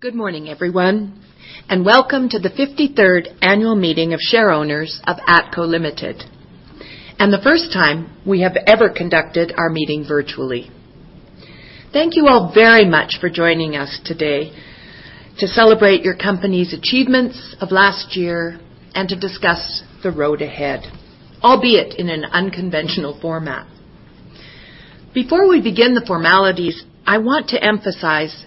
Good morning, everyone, and welcome to the 53rd annual meeting of share owners of ATCO Limited, and the first time we have ever conducted our meeting virtually. Thank you all very much for joining us today to celebrate your company's achievements of last year and to discuss the road ahead, albeit in an unconventional format. Before we begin the formalities, I want to emphasize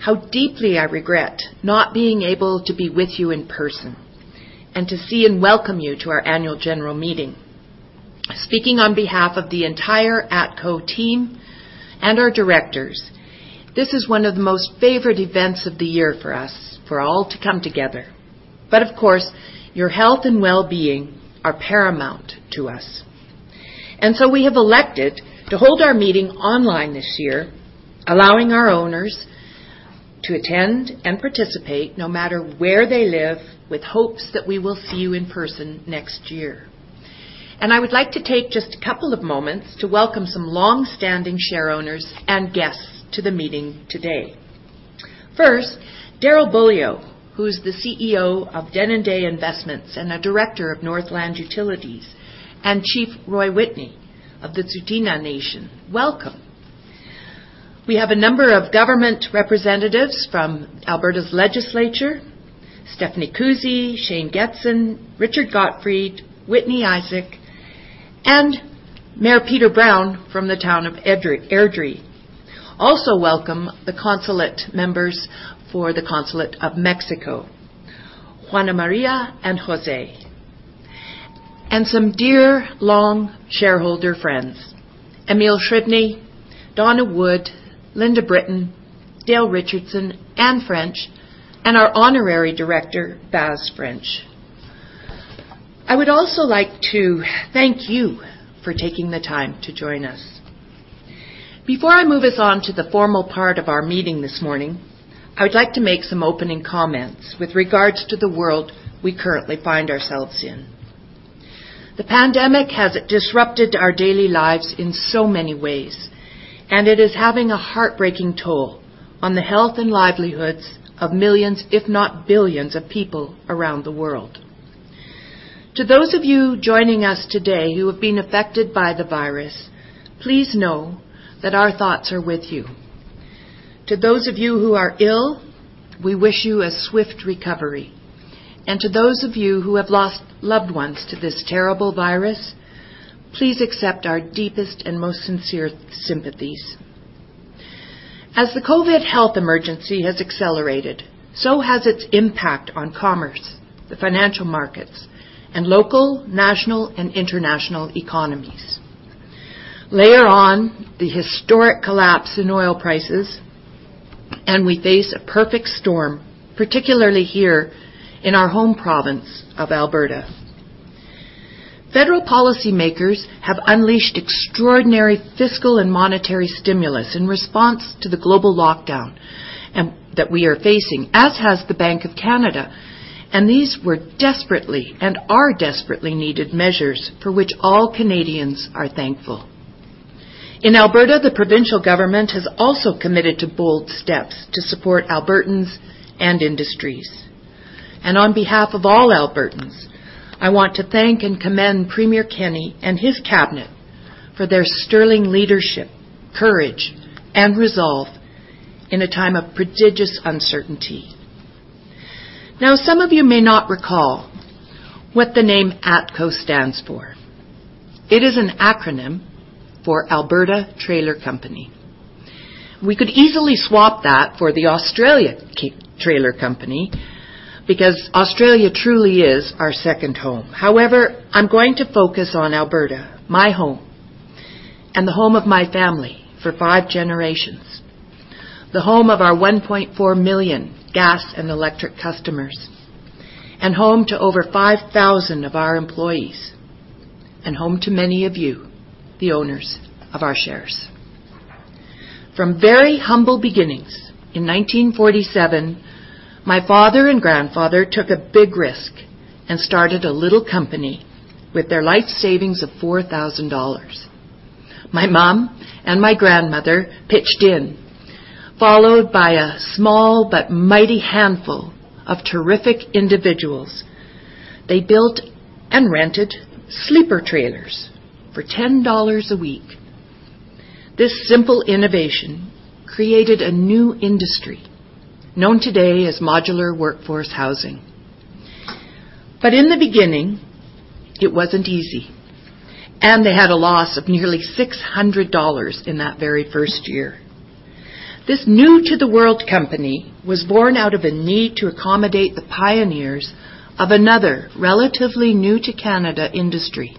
how deeply I regret not being able to be with you in person and to see and welcome you to our annual general meeting. Speaking on behalf of the entire ATCO team and our directors, this is one of the most favorite events of the year for us, for all to come together. Of course, your health and well-being are paramount to us. We have elected to hold our meeting online this year, allowing our owners to attend and participate no matter where they live, with hopes that we will see you in person next year. I would like to take just a couple of moments to welcome some longstanding share owners and guests to the meeting today. First, Darrell Beaulieu, who's the CEO of Denendeh Investments and a director of Northland Utilities, and Chief Roy Whitney of the Tsuut'ina Nation. Welcome. We have a number of government representatives from Alberta's legislature, Stephanie Kuzyk, Shane Getson, Richard Gotfried, Whitney Issik, and Mayor Peter Brown from the town of Airdrie. Also welcome the consulate members for the Consulate of Mexico, Juana Maria and José. Some dear long shareholder friends, Emil Shridney, Donna Wood, Linda Britton, Dale Richardson, Anne French, and our honorary director, Baz French. I would also like to thank you for taking the time to join us. Before I move us on to the formal part of our meeting this morning, I would like to make some opening comments with regards to the world we currently find ourselves in. The pandemic has disrupted our daily lives in so many ways, and it is having a heartbreaking toll on the health and livelihoods of millions, if not billions of people around the world. To those of you joining us today who have been affected by the virus, please know that our thoughts are with you. To those of you who are ill, we wish you a swift recovery. To those of you who have lost loved ones to this terrible virus, please accept our deepest and most sincere sympathies. As the COVID health emergency has accelerated, so has its impact on commerce, the financial markets, and local, national, and international economies. Layer on the historic collapse in oil prices, we face a perfect storm, particularly here in our home province of Alberta. Federal policymakers have unleashed extraordinary fiscal and monetary stimulus in response to the global lockdown that we are facing, as has the Bank of Canada, and these were desperately and are desperately needed measures for which all Canadians are thankful. In Alberta, the provincial government has also committed to bold steps to support Albertans and industries. On behalf of all Albertans, I want to thank and commend Premier Kenney and his cabinet for their sterling leadership, courage, and resolve in a time of prodigious uncertainty. Some of you may not recall what the name ATCO stands for. It is an acronym for Alberta Trailer Company. We could easily swap that for the Australia Trailer Company because Australia truly is our second home. However, I'm going to focus on Alberta, my home and the home of my family for five generations, the home of our 1.4 million gas and electric customers, and home to over 5,000 of our employees, and home to many of you, the owners of our shares. From very humble beginnings, in 1947, my father and grandfather took a big risk and started a little company with their life savings of 4,000 dollars. My mom and my grandmother pitched in, followed by a small but mighty handful of terrific individuals. They built and rented sleeper trailers for 10 dollars a week. This simple innovation created a new industry known today as modular workforce housing. In the beginning, it wasn't easy, and they had a loss of nearly 600 dollars in that very first year. This new to the world company was born out of a need to accommodate the pioneers of another relatively new to Canada industry,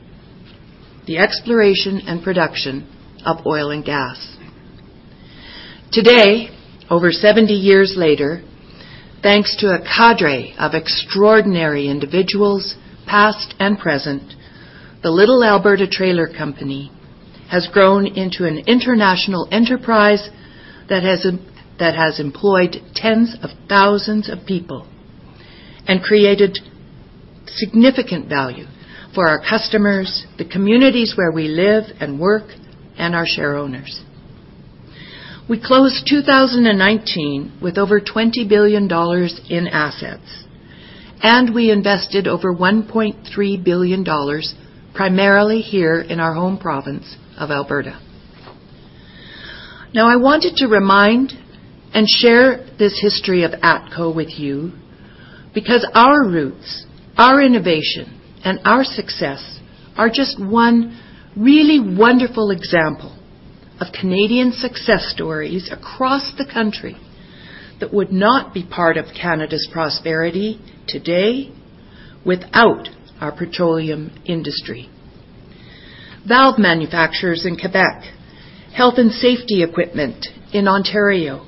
the exploration and production of oil and gas. Today, over 70 years later, thanks to a cadre of extraordinary individuals, past and present, the little Alberta Trailer Company has grown into an international enterprise that has employed tens of thousands of people and created significant value for our customers, the communities where we live and work, and our share owners. We closed 2019 with over 20 billion dollars in assets, and we invested over 1.3 billion dollars, primarily here in our home province of Alberta. I wanted to remind and share this history of ATCO with you because our roots, our innovation, and our success are just one really wonderful example of Canadian success stories across the country that would not be part of Canada's prosperity today without our petroleum industry. Valve manufacturers in Quebec, health and safety equipment in Ontario,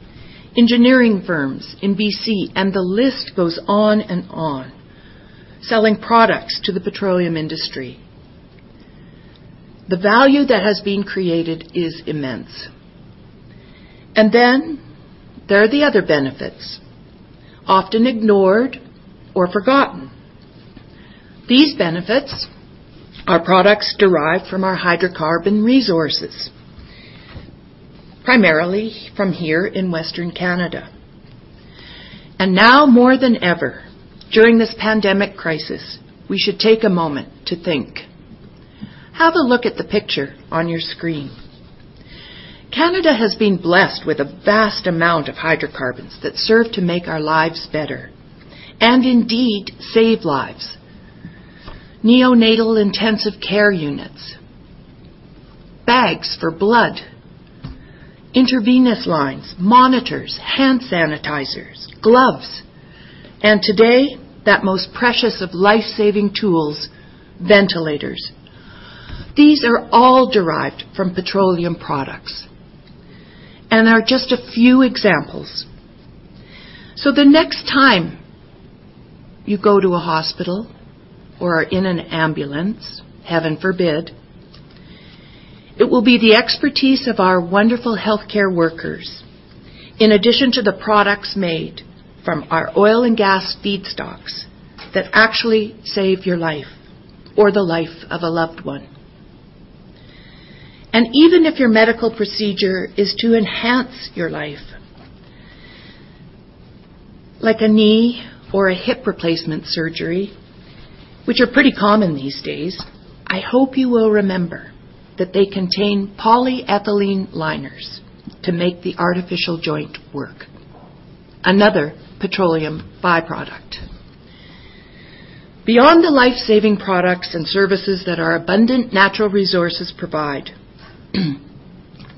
engineering firms in BC, the list goes on and on, selling products to the petroleum industry. The value that has been created is immense. There are the other benefits, often ignored or forgotten. These benefits are products derived from our hydrocarbon resources, primarily from here in Western Canada. Now more than ever, during this pandemic crisis, we should take a moment to think. Have a look at the picture on your screen. Canada has been blessed with a vast amount of hydrocarbons that serve to make our lives better and indeed save lives. Neonatal intensive care units, bags for blood, intravenous lines, monitors, hand sanitizers, gloves, and today, that most precious of life-saving tools, ventilators. These are all derived from petroleum products and are just a few examples. The next time you go to a hospital or are in an ambulance, heaven forbid, it will be the expertise of our wonderful healthcare workers, in addition to the products made from our oil and gas feedstocks, that actually save your life or the life of a loved one. Even if your medical procedure is to enhance your life, like a knee or a hip replacement surgery, which are pretty common these days, I hope you will remember that they contain polyethylene liners to make the artificial joint work, another petroleum byproduct. Beyond the life-saving products and services that our abundant natural resources provide,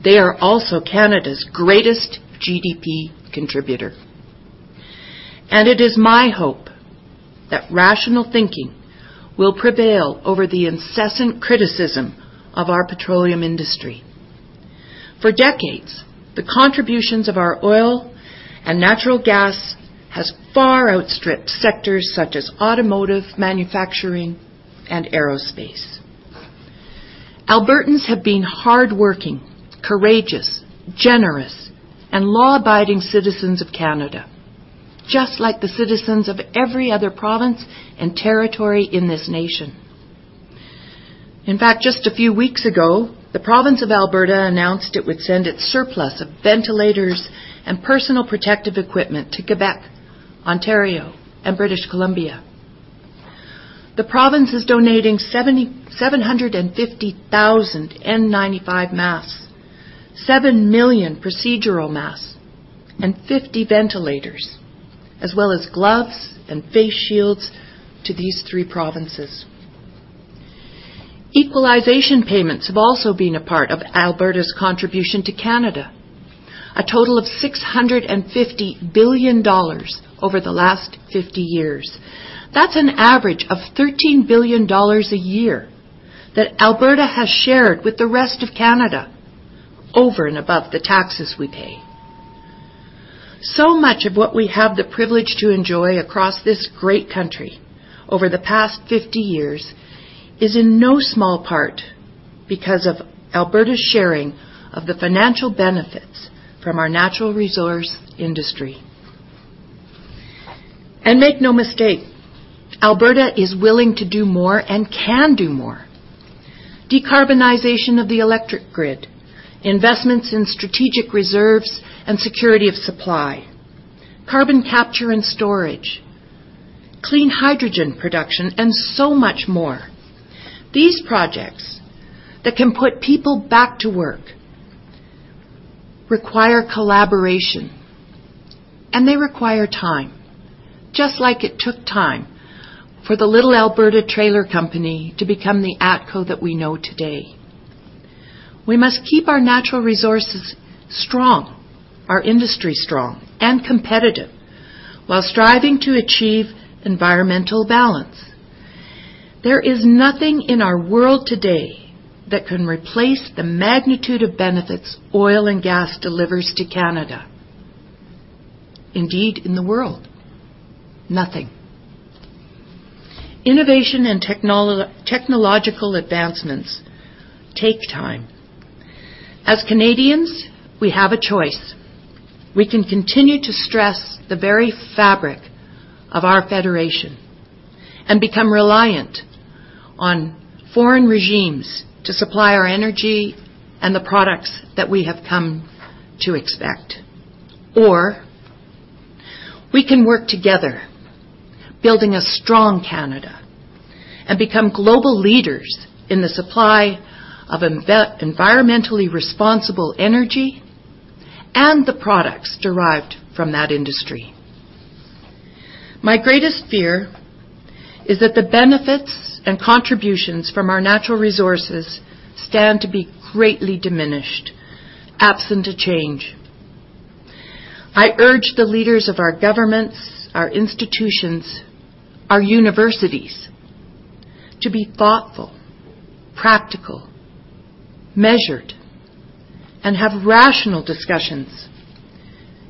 they are also Canada's greatest GDP contributor. It is my hope that rational thinking will prevail over the incessant criticism of our petroleum industry. For decades, the contributions of our oil and natural gas has far outstripped sectors such as automotive, manufacturing, and aerospace. Albertans have been hardworking, courageous, generous, and law-abiding citizens of Canada, just like the citizens of every other province and territory in this nation. In fact, just a few weeks ago, the province of Alberta announced it would send its surplus of ventilators and personal protective equipment to Quebec, Ontario, and British Columbia. The province is donating 750,000 N95 masks, 7 million procedural masks, and 50 ventilators, as well as gloves and face shields to these three provinces. Equalization payments have also been a part of Alberta's contribution to Canada. A total of 650 billion dollars over the last 50 years. That's an average of 13 billion dollars a year that Alberta has shared with the rest of Canada over and above the taxes we pay. Much of what we have the privilege to enjoy across this great country over the past 50 years is in no small part because of Alberta's sharing of the financial benefits from our natural resource industry. Make no mistake, Alberta is willing to do more and can do more. Decarbonization of the electric grid, investments in strategic reserves and security of supply, carbon capture and storage, clean hydrogen production, and so much more. These projects that can put people back to work require collaboration, and they require time, just like it took time for the little Alberta Trailer Company to become the ATCO that we know today. We must keep our natural resources strong, our industry strong and competitive while striving to achieve environmental balance. There is nothing in our world today that can replace the magnitude of benefits oil and gas delivers to Canada. Indeed, in the world. Nothing. Innovation and technological advancements take time. As Canadians, we have a choice. We can continue to stress the very fabric of our federation and become reliant on foreign regimes to supply our energy and the products that we have come to expect. Or we can work together, building a strong Canada, and become global leaders in the supply of environmentally responsible energy and the products derived from that industry. My greatest fear is that the benefits and contributions from our natural resources stand to be greatly diminished, absent a change. I urge the leaders of our governments, our institutions, our universities to be thoughtful, practical, measured, and have rational discussions,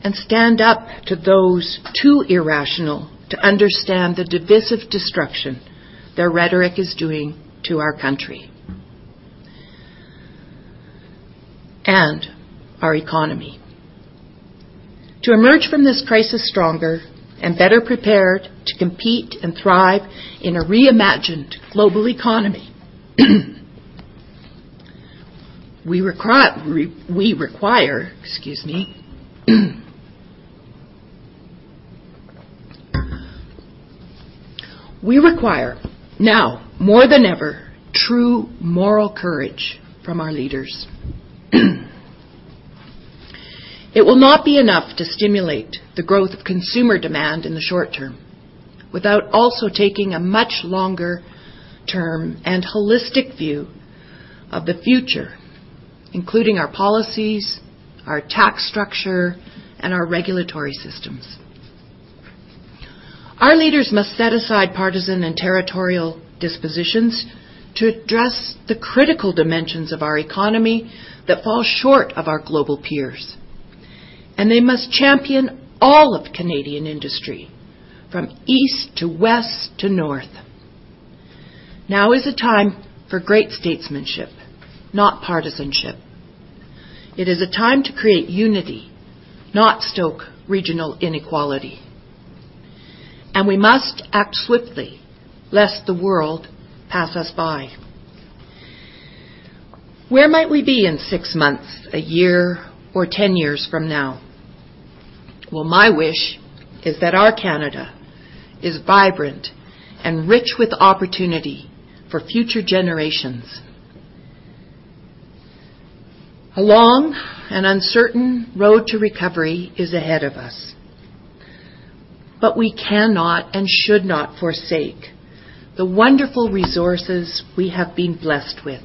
and stand up to those too irrational to understand the divisive destruction their rhetoric is doing to our country and our economy. To emerge from this crisis stronger and better prepared to compete and thrive in a reimagined global economy, we require, now more than ever, true moral courage from our leaders. It will not be enough to stimulate the growth of consumer demand in the short term without also taking a much longer-term and holistic view of the future, including our policies, our tax structure, and our regulatory systems. Our leaders must set aside partisan and territorial dispositions to address the critical dimensions of our economy that fall short of our global peers, and they must champion all of Canadian industry, from east to west to north. Now is a time for great statesmanship, not partisanship. It is a time to create unity, not stoke regional inequality, and we must act swiftly, lest the world pass us by. Where might we be in six months, a year, or 10 years from now? Well, my wish is that our Canada is vibrant and rich with opportunity for future generations. A long and uncertain road to recovery is ahead of us, but we cannot and should not forsake the wonderful resources we have been blessed with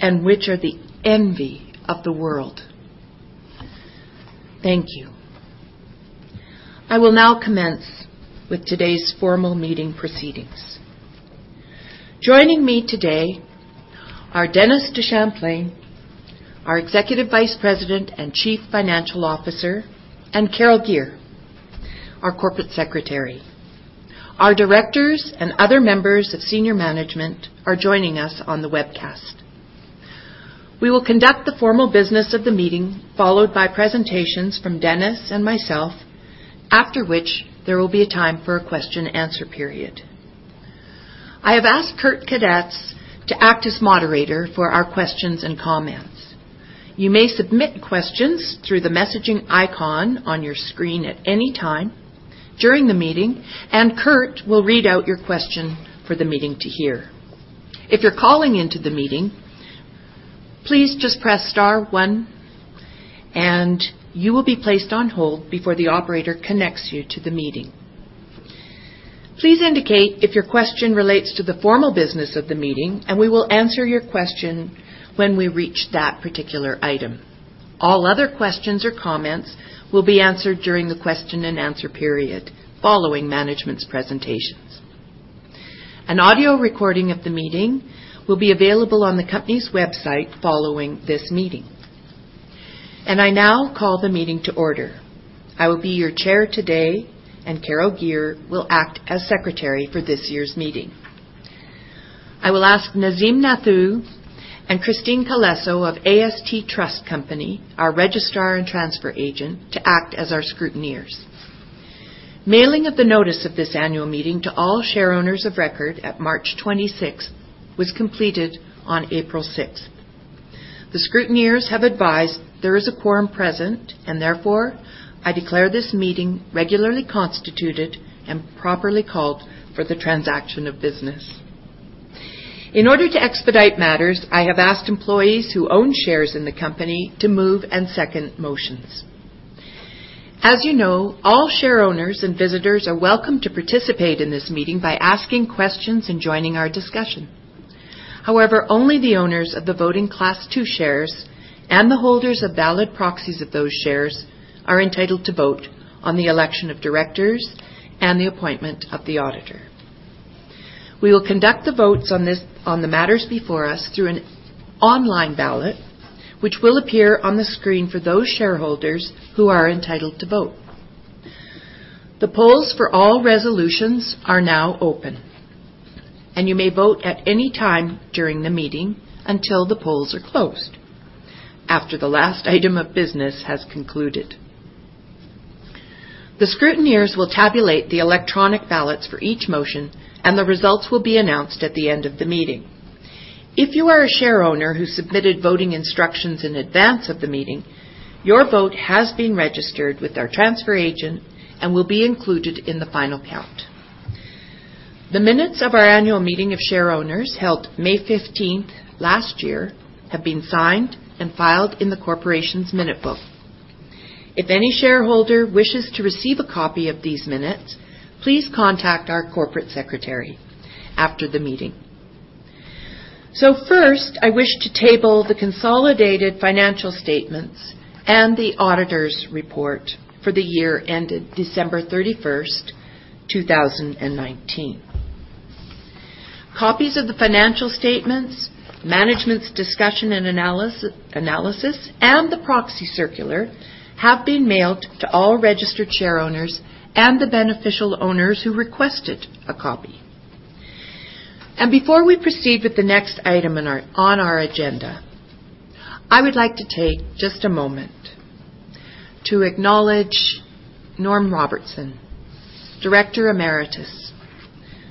and which are the envy of the world. Thank you. I will now commence with today's formal meeting proceedings. Joining me today are Dennis DeChamplain, our Executive Vice President and Chief Financial Officer, and Carol Gear, our Corporate Secretary. Our directors and other members of senior management are joining us on the webcast. We will conduct the formal business of the meeting, followed by presentations from Dennis and myself, after which there will be a time for a question and answer period. I have asked Kurt Kadatz to act as moderator for our questions and comments. You may submit questions through the messaging icon on your screen at any time during the meeting, Kurt will read out your question for the meeting to hear. If you're calling into the meeting, please just press star one, You will be placed on hold before the operator connects you to the meeting. Please indicate if your question relates to the formal business of the meeting, We will answer your question when we reach that particular item. All other questions or comments will be answered during the question and answer period following management's presentations. An audio recording of the meeting will be available on the company's website following this meeting. I now call the meeting to order. I will be your chair today, and Carol Gear will act as secretary for this year's meeting. I will ask Nazim Nathoo and Christine Colesso of AST Trust Company, our registrar and transfer agent, to act as our scrutineers. Mailing of the notice of this annual meeting to all share owners of record at March 26th was completed on April 6th. The scrutineers have advised there is a quorum present and therefore I declare this meeting regularly constituted and properly called for the transaction of business. In order to expedite matters, I have asked employees who own shares in the company to move and second motions. As you know, all share owners and visitors are welcome to participate in this meeting by asking questions and joining our discussion. Only the owners of the voting class 2 shares and the holders of valid proxies of those shares are entitled to vote on the election of directors and the appointment of the auditor. We will conduct the votes on the matters before us through an online ballot, which will appear on the screen for those shareholders who are entitled to vote. The polls for all resolutions are now open, and you may vote at any time during the meeting until the polls are closed, after the last item of business has concluded. The scrutineers will tabulate the electronic ballots for each motion, and the results will be announced at the end of the meeting. If you are a share owner who submitted voting instructions in advance of the meeting, your vote has been registered with our transfer agent and will be included in the final count. The minutes of our annual meeting of share owners held May 15th last year have been signed and filed in the corporation's minute book. If any shareholder wishes to receive a copy of these minutes, please contact our Corporate Secretary after the meeting. First, I wish to table the consolidated financial statements and the auditor's report for the year ended December 31st, 2019. Copies of the financial statements, management's discussion and analysis, and the proxy circular have been mailed to all registered share owners and the beneficial owners who requested a copy. Before we proceed with the next item on our agenda, I would like to take just a moment to acknowledge Norm Robertson, Director Emeritus,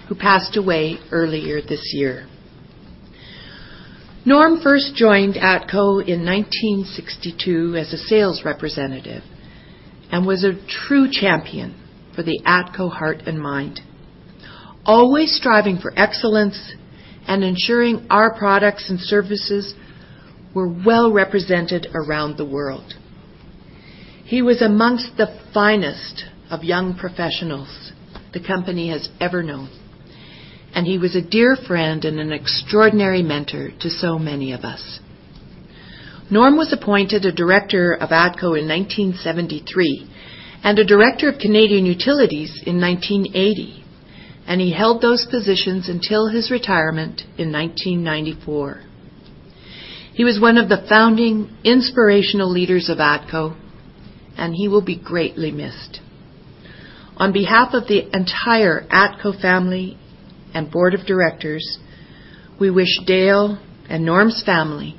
who passed away earlier this year. Norm first joined ATCO in 1962 as a sales representative and was a true champion for the ATCO heart and mind, always striving for excellence and ensuring our products and services were well-represented around the world. He was amongst the finest of young professionals the company has ever known, and he was a dear friend and an extraordinary mentor to so many of us. Norm was appointed a director of ATCO in 1973 and a director of Canadian Utilities in 1980, and he held those positions until his retirement in 1994. He was one of the founding inspirational leaders of ATCO, and he will be greatly missed. On behalf of the entire ATCO family and board of directors, we wish Dale and Norm's family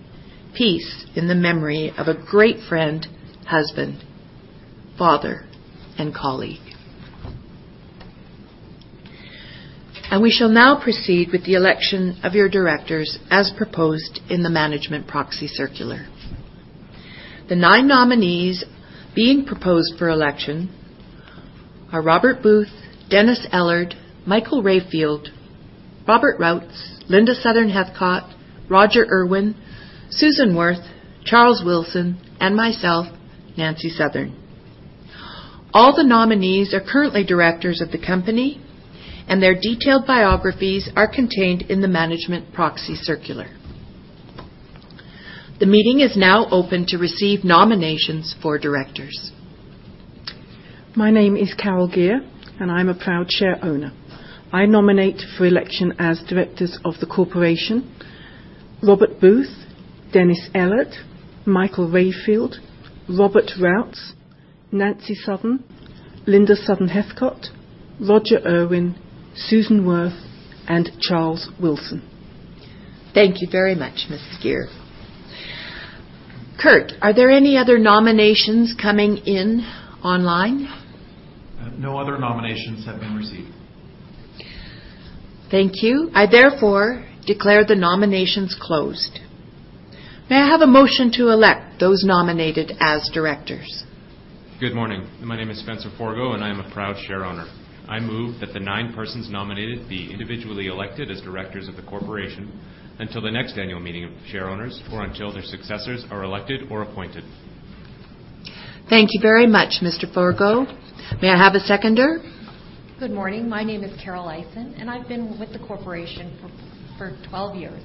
peace in the memory of a great friend, husband, father, and colleague. We shall now proceed with the election of your directors as proposed in the management proxy circular. The nine nominees being proposed for election are Robert Booth, Denis M. Ellard, Michael R.P. Rayfield, Robert Routs, Linda Southern-Heathcott, Roger Urwin, Susan Werth, Charles Wilson, and myself, Nancy Southern. All the nominees are currently directors of the company, and their detailed biographies are contained in the management proxy circular. The meeting is now open to receive nominations for directors. My name is Carol Gear, and I'm a proud share owner. I nominate for election as directors of the corporation, Robert Booth, Denis Ellard, Michael Rayfield, Robert Routs, Nancy Southern, Linda Southern-Heathcott, Roger Urwin, Susan Werth, and Charles Wilson. Thank you very much, Ms. Gear. Kurt, are there any other nominations coming in online? No other nominations have been received. Thank you. I therefore declare the nominations closed. May I have a motion to elect those nominated as directors? Good morning. My name is Spencer Forgo, and I am a proud share owner. I move that the nine persons nominated be individually elected as directors of the corporation until the next annual meeting of share owners or until their successors are elected or appointed. Thank you very much, Mr. Forgo. May I have a seconder? Good morning. My name is Carol Eisan, I've been with the corporation for 12 years,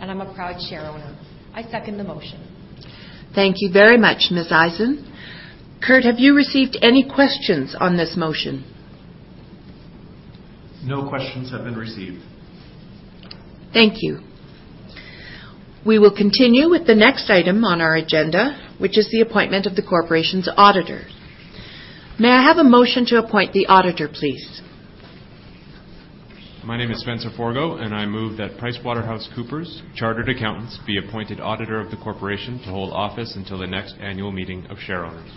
I'm a proud share owner. I second the motion. Thank you very much, Ms. Eisan. Kurt, have you received any questions on this motion? No questions have been received. Thank you. We will continue with the next item on our agenda, which is the appointment of the corporation's auditor. May I have a motion to appoint the auditor, please? My name is Spencer Forgo. I move that PricewaterhouseCoopers Chartered Accountants be appointed auditor of the corporation to hold office until the next annual meeting of share owners.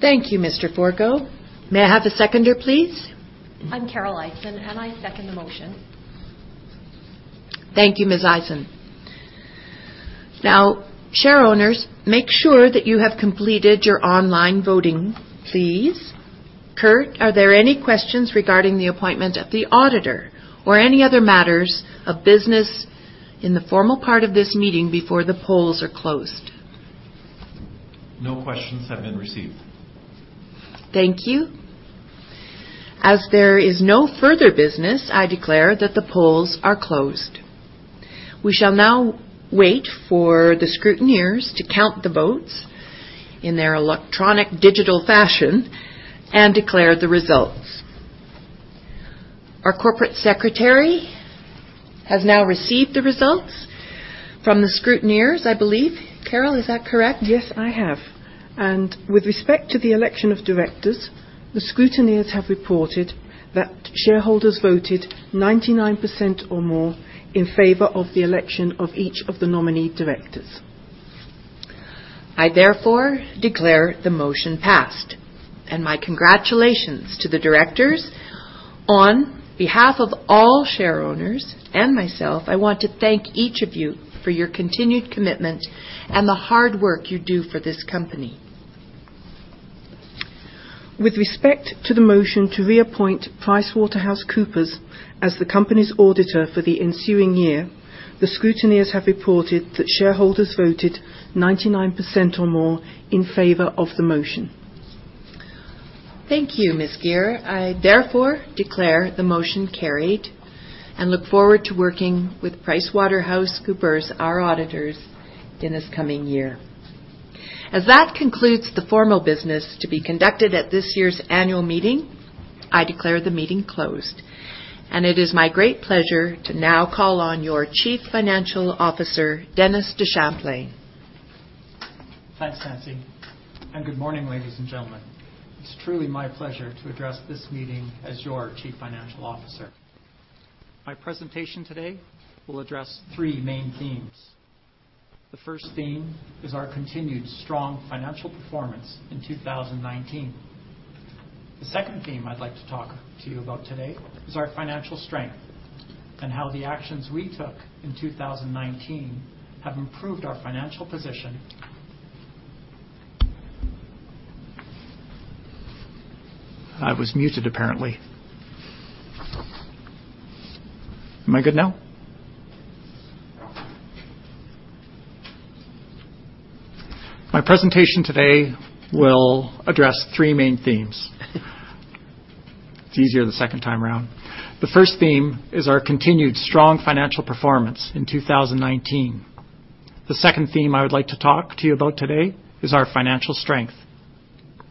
Thank you, Mr. Forgo. May I have a seconder, please? I'm Carol Eisan, and I second the motion. Thank you, Ms. Eisan. Now, share owners, make sure that you have completed your online voting, please. Kurt, are there any questions regarding the appointment of the auditor or any other matters of business in the formal part of this meeting before the polls are closed? No questions have been received. Thank you. As there is no further business, I declare that the polls are closed. We shall now wait for the scrutineers to count the votes in their electronic digital fashion and declare the results. Our Corporate Secretary has now received the results from the scrutineers, I believe. Carol, is that correct? Yes, I have. With respect to the election of directors, the scrutineers have reported that shareholders voted 99% or more in favor of the election of each of the nominee directors. I therefore declare the motion passed, and my congratulations to the directors. On behalf of all shareowners and myself, I want to thank each of you for your continued commitment and the hard work you do for this company. With respect to the motion to reappoint PricewaterhouseCoopers as the company's auditor for the ensuing year, the scrutineers have reported that shareholders voted 99% or more in favor of the motion. Thank you, Ms. Gear. I therefore declare the motion carried, and look forward to working with PricewaterhouseCoopers, our auditors, in this coming year. As that concludes the formal business to be conducted at this year's annual meeting, I declare the meeting closed. It is my great pleasure to now call on your Chief Financial Officer, Dennis DeChamplain. Thanks, Nancy. Good morning, ladies and gentlemen. It's truly my pleasure to address this meeting as your Chief Financial Officer. My presentation today will address three main themes. The first theme is our continued strong financial performance in 2019. The second theme I'd like to talk to you about today is our financial strength and how the actions we took in 2019 have improved our financial position. I was muted, apparently. Am I good now? Yeah. My presentation today will address three main themes. It's easier the second time around. The first theme is our continued strong financial performance in 2019. The second theme I would like to talk to you about today is our financial strength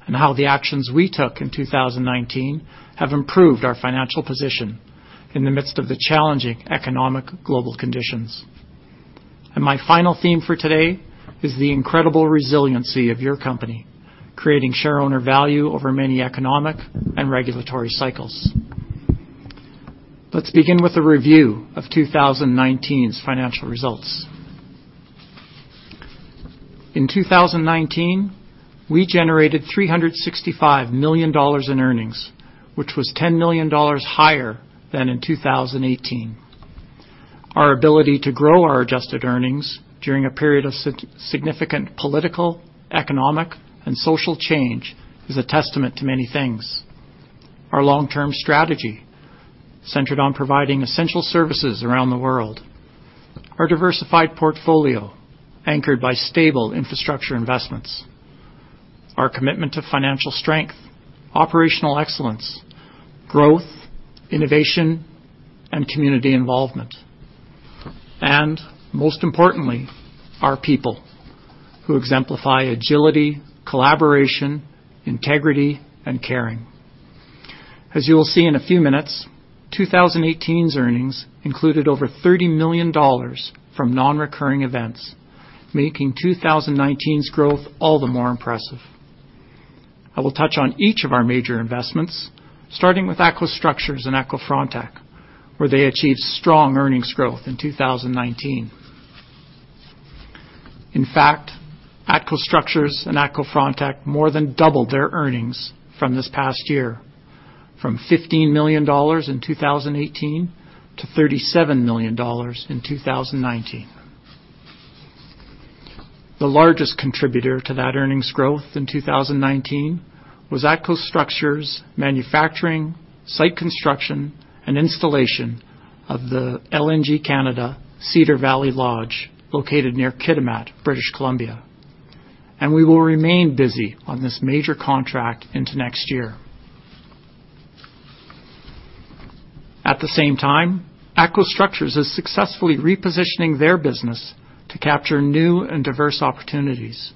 and how the actions we took in 2019 have improved our financial position in the midst of the challenging economic global conditions. My final theme for today is the incredible resiliency of your company, creating shareowner value over many economic and regulatory cycles. Let's begin with a review of 2019's financial results. In 2019, we generated 365 million dollars in earnings, which was 10 million dollars higher than in 2018. Our ability to grow our adjusted earnings during a period of significant political, economic, and social change is a testament to many things. Our long-term strategy centered on providing essential services around the world. Our diversified portfolio, anchored by stable infrastructure investments. Our commitment to financial strength, operational excellence, growth, innovation, and community involvement. Most importantly, our people, who exemplify agility, collaboration, integrity, and caring. As you will see in a few minutes, 2018's earnings included over 30 million dollars from non-recurring events, making 2019's growth all the more impressive. I will touch on each of our major investments, starting with ATCO Structures and ATCO Frontec, where they achieved strong earnings growth in 2019. In fact, ATCO Structures and ATCO Frontec more than doubled their earnings from this past year, from 15 million dollars in 2018 to 37 million dollars in 2019. The largest contributor to that earnings growth in 2019 was ATCO Structures' manufacturing, site construction, and installation of the LNG Canada Cedar Valley Lodge, located near Kitimat, British Columbia. We will remain busy on this major contract into next year. At the same time, ATCO Structures is successfully repositioning their business to capture new and diverse opportunities,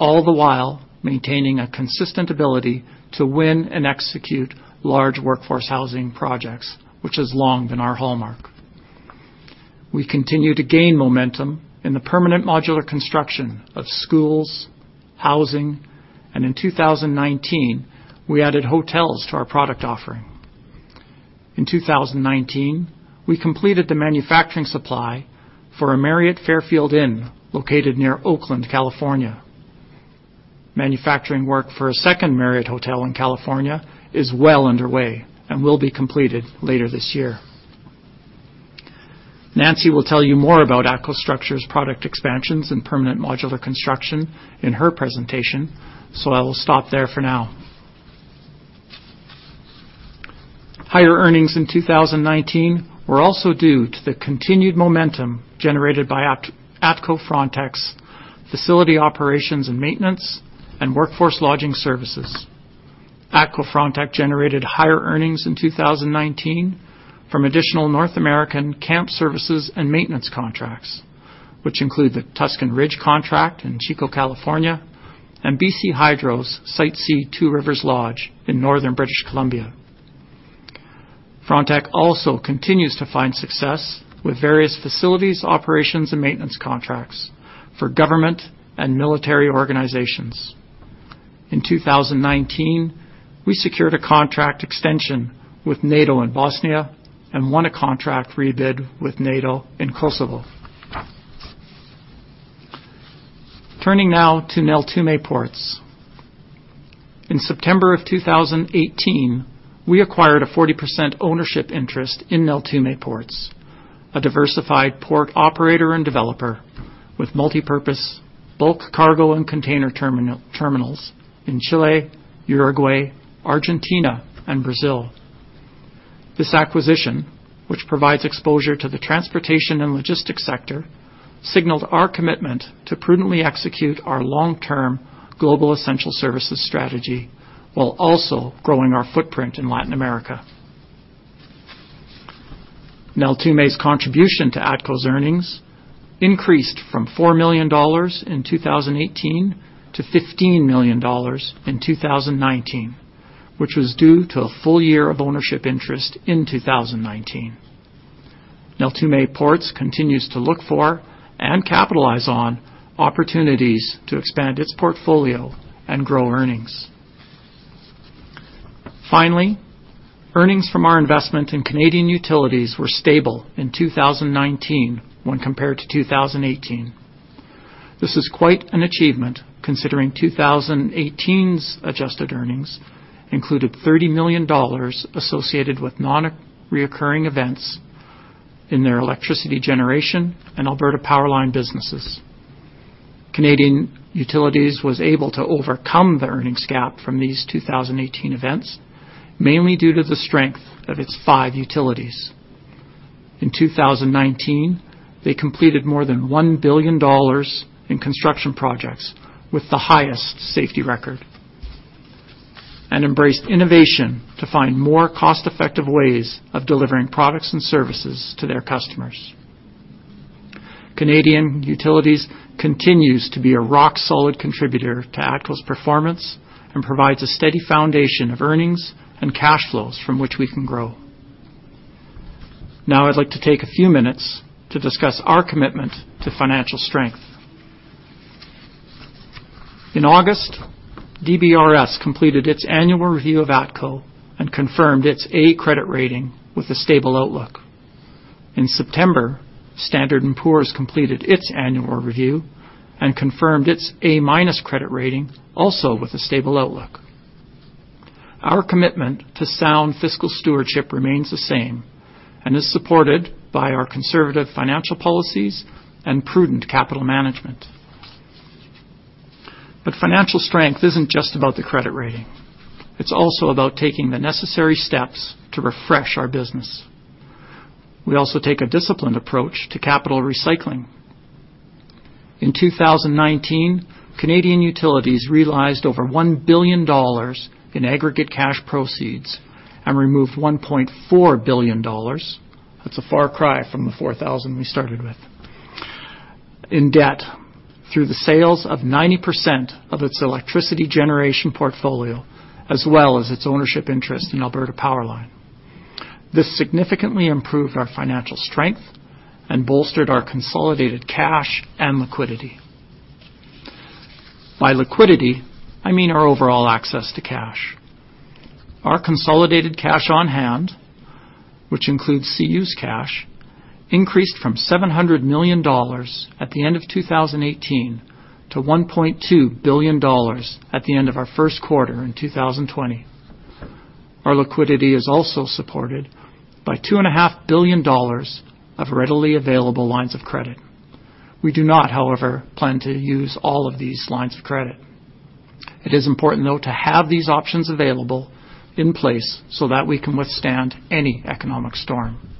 all the while maintaining a consistent ability to win and execute large workforce housing projects, which has long been our hallmark. We continue to gain momentum in the permanent modular construction of schools, housing, and in 2019, we added hotels to our product offering. In 2019, we completed the manufacturing supply for a Marriott Fairfield Inn located near Oakland, California. Manufacturing work for a second Marriott Hotel in California is well underway and will be completed later this year. Nancy will tell you more about ATCO Structures' product expansions in permanent modular construction in her presentation, so I will stop there for now. Higher earnings in 2019 were also due to the continued momentum generated by ATCO Frontec's facility operations and maintenance and workforce lodging services. ATCO Frontec generated higher earnings in 2019 from additional North American camp services and maintenance contracts, which include the Tuscan Ridge contract in Chico, California, and BC Hydro's Site C Two Rivers Lodge in Northern British Columbia. Frontec also continues to find success with various facilities, operations, and maintenance contracts for government and military organizations. In 2019, we secured a contract extension with NATO in Bosnia and won a contract rebid with NATO in Kosovo. Turning now to Neltume Ports. In September of 2018, we acquired a 40% ownership interest in Neltume Ports, a diversified port operator and developer with multipurpose bulk cargo and container terminals in Chile, Uruguay, Argentina, and Brazil. This acquisition, which provides exposure to the transportation and logistics sector, signaled our commitment to prudently execute our long-term global essential services strategy while also growing our footprint in Latin America. Neltume's contribution to ATCO's earnings increased from 4 million dollars in 2018 to 15 million dollars in 2019, which was due to a full year of ownership interest in 2019. Neltume Ports continues to look for and capitalize on opportunities to expand its portfolio and grow earnings. Finally, earnings from our investment in Canadian Utilities were stable in 2019 when compared to 2018. This is quite an achievement, considering 2018's adjusted earnings included 30 million dollars associated with non-recurring events in their electricity generation and Alberta PowerLine businesses. Canadian Utilities was able to overcome the earnings gap from these 2018 events, mainly due to the strength of its five utilities. In 2019, they completed more than 1 billion dollars in construction projects with the highest safety record and embraced innovation to find more cost-effective ways of delivering products and services to their customers. Canadian Utilities continues to be a rock-solid contributor to ATCO's performance and provides a steady foundation of earnings and cash flows from which we can grow. I'd like to take a few minutes to discuss our commitment to financial strength. In August, DBRS completed its annual review of ATCO and confirmed its A credit rating with a stable outlook. In September, Standard & Poor's completed its annual review and confirmed its A-minus credit rating, also with a stable outlook. Our commitment to sound fiscal stewardship remains the same and is supported by our conservative financial policies and prudent capital management. Financial strength isn't just about the credit rating. It's also about taking the necessary steps to refresh our business. We also take a disciplined approach to capital recycling. In 2019, Canadian Utilities realized over 1 billion dollars in aggregate cash proceeds and removed 1.4 billion dollars, that's a far cry from the 4,000 we started with, in debt through the sales of 90% of its electricity generation portfolio as well as its ownership interest in Alberta PowerLine. This significantly improved our financial strength and bolstered our consolidated cash and liquidity. By liquidity, I mean our overall access to cash. Our consolidated cash on hand, which includes CU's cash, increased from 700 million dollars at the end of 2018 to 1.2 billion dollars at the end of our first quarter in 2020. Our liquidity is also supported by 2.5 billion dollars of readily available lines of credit. We do not, however, plan to use all of these lines of credit. It is important, though, to have these options available in place so that we can withstand any economic storm.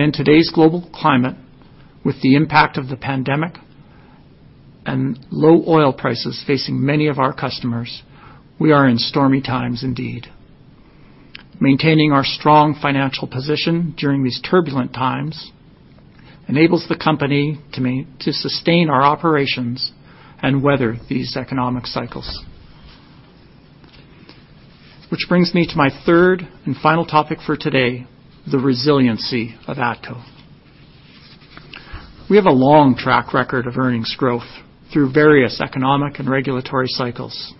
In today's global climate, with the impact of the pandemic and low oil prices facing many of our customers, we are in stormy times indeed. Maintaining our strong financial position during these turbulent times enables the company to sustain our operations and weather these economic cycles. Which brings me to my third and final topic for today, the resiliency of ATCO. We have a long track record of earnings growth through various economic and regulatory cycles.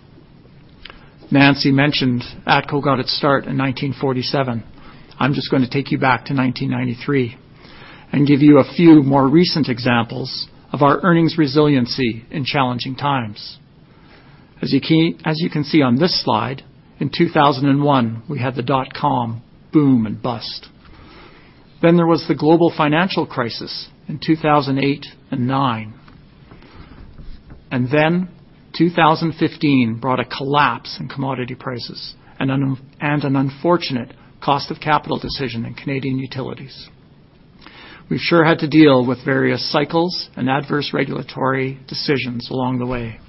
Nancy mentioned ATCO got its start in 1947. I'm just going to take you back to 1993 and give you a few more recent examples of our earnings resiliency in challenging times. As you can see on this slide, in 2001, we had the dotcom boom and bust. There was the global financial crisis in 2008 and nine. 2015 brought a collapse in commodity prices and an unfortunate cost of capital decision in Canadian Utilities. We sure had to deal with various cycles and adverse regulatory decisions along the way.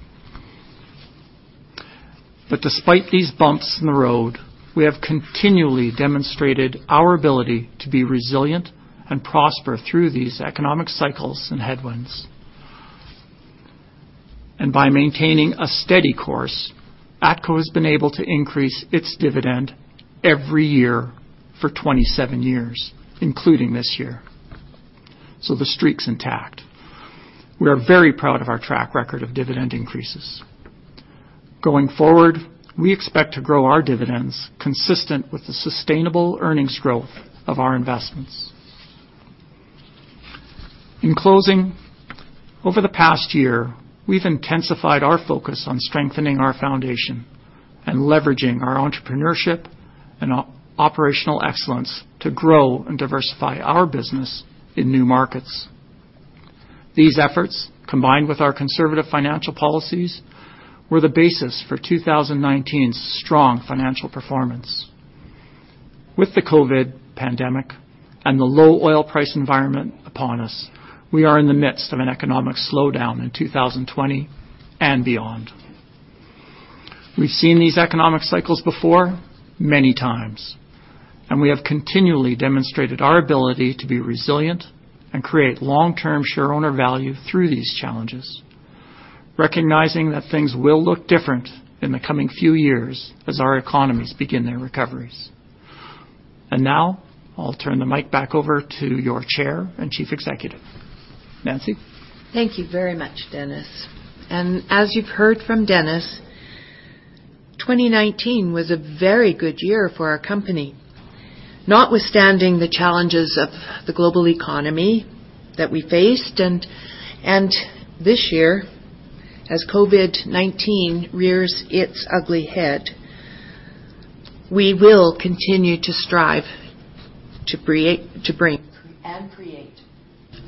Despite these bumps in the road, we have continually demonstrated our ability to be resilient and prosper through these economic cycles and headwinds. By maintaining a steady course, ATCO has been able to increase its dividend every year for 27 years, including this year. The streak's intact. We are very proud of our track record of dividend increases. Going forward, we expect to grow our dividends consistent with the sustainable earnings growth of our investments. In closing, over the past year, we've intensified our focus on strengthening our foundation and leveraging our entrepreneurship and operational excellence to grow and diversify our business in new markets. These efforts, combined with our conservative financial policies, were the basis for 2019's strong financial performance. With the COVID pandemic and the low oil price environment upon us, we are in the midst of an economic slowdown in 2020 and beyond. We've seen these economic cycles before many times, and we have continually demonstrated our ability to be resilient and create long-term shareowner value through these challenges. Recognizing that things will look different in the coming few years as our economies begin their recoveries. Now, I'll turn the mic back over to your Chair and Chief Executive. Nancy. Thank you very much, Dennis. As you've heard from Dennis, 2019 was a very good year for our company, notwithstanding the challenges of the global economy that we faced. This year, as COVID-19 rears its ugly head, we will continue to strive to bring and create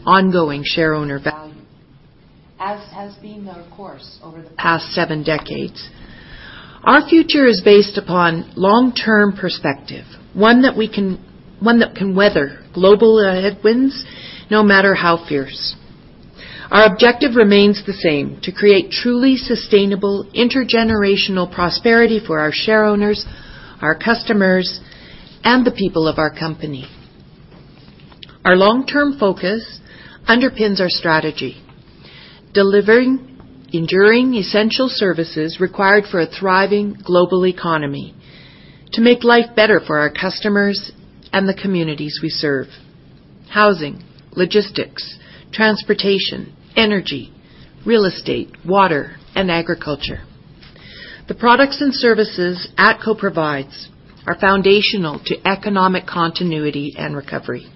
ongoing shareowner value, as has been our course over the past seven decades. Our future is based upon long-term perspective, one that can weather global headwinds, no matter how fierce. Our objective remains the same, to create truly sustainable intergenerational prosperity for our shareowners, our customers, and the people of our company. Our long-term focus underpins our strategy, delivering enduring, essential services required for a thriving global economy to make life better for our customers and the communities we serve. Housing, logistics, transportation, energy, real estate, water, and agriculture. The products and services ATCO provides are foundational to economic continuity and recovery.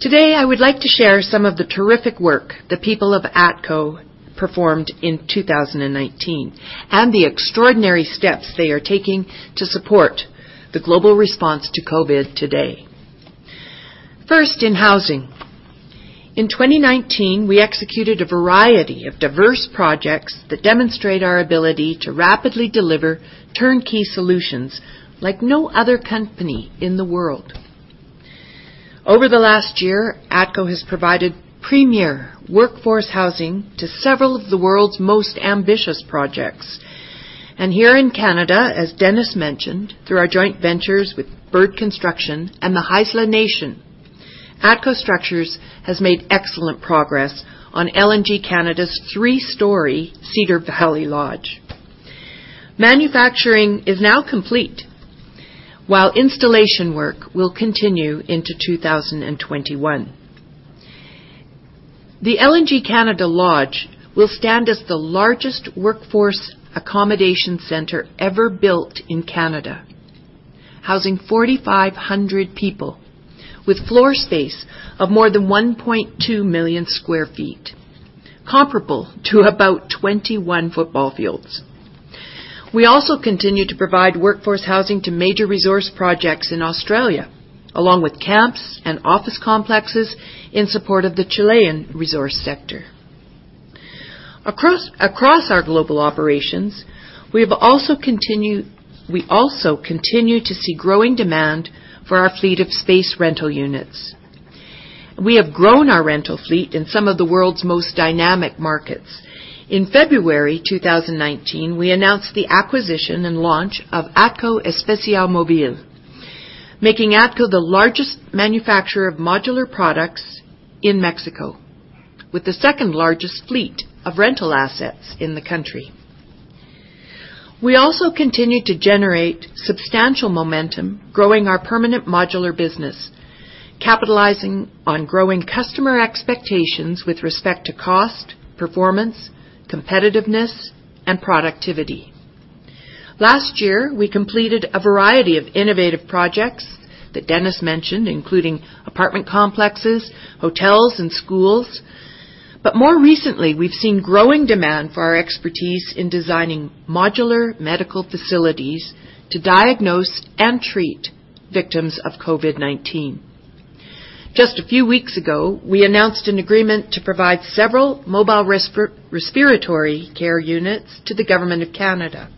Today, I would like to share some of the terrific work the people of ATCO performed in 2019, and the extraordinary steps they are taking to support the global response to COVID today. First, in housing. In 2019, we executed a variety of diverse projects that demonstrate our ability to rapidly deliver turnkey solutions like no other company in the world. Over the last year, ATCO has provided premier workforce housing to several of the world's most ambitious projects. Here in Canada, as Dennis mentioned, through our joint ventures with Bird Construction and the Haisla Nation, ATCO Structures has made excellent progress on LNG Canada's three-story Cedar Valley Lodge. Manufacturing is now complete, while installation work will continue into 2021. The LNG Canada Lodge will stand as the largest workforce accommodation center ever built in Canada, housing 4,500 people with floor space of more than 1.2 million square feet, comparable to about 21 football fields. We also continue to provide workforce housing to major resource projects in Australia, along with camps and office complexes in support of the Chilean resource sector. Across our global operations, we also continue to see growing demand for our fleet of space rental units. We have grown our rental fleet in some of the world's most dynamic markets. In February 2019, we announced the acquisition and launch of ATCO Espaciomovil, making ATCO the largest manufacturer of modular products in Mexico, with the second largest fleet of rental assets in the country. We also continue to generate substantial momentum growing our permanent modular business, capitalizing on growing customer expectations with respect to cost, performance, competitiveness, and productivity. Last year, we completed a variety of innovative projects that Dennis mentioned, including apartment complexes, hotels, and schools. More recently, we've seen growing demand for our expertise in designing modular medical facilities to diagnose and treat victims of COVID-19. Just a few weeks ago, we announced an agreement to provide several mobile respiratory care units to the government of Canada.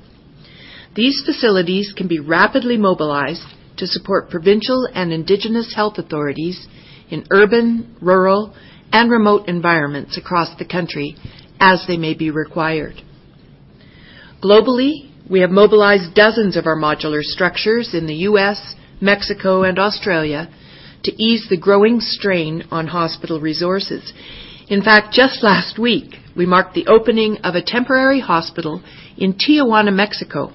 These facilities can be rapidly mobilized to support provincial and Indigenous health authorities in urban, rural, and remote environments across the country as they may be required. Globally, we have mobilized dozens of our modular structures in the U.S., Mexico, and Australia to ease the growing strain on hospital resources. In fact, just last week, we marked the opening of a temporary hospital in Tijuana, Mexico,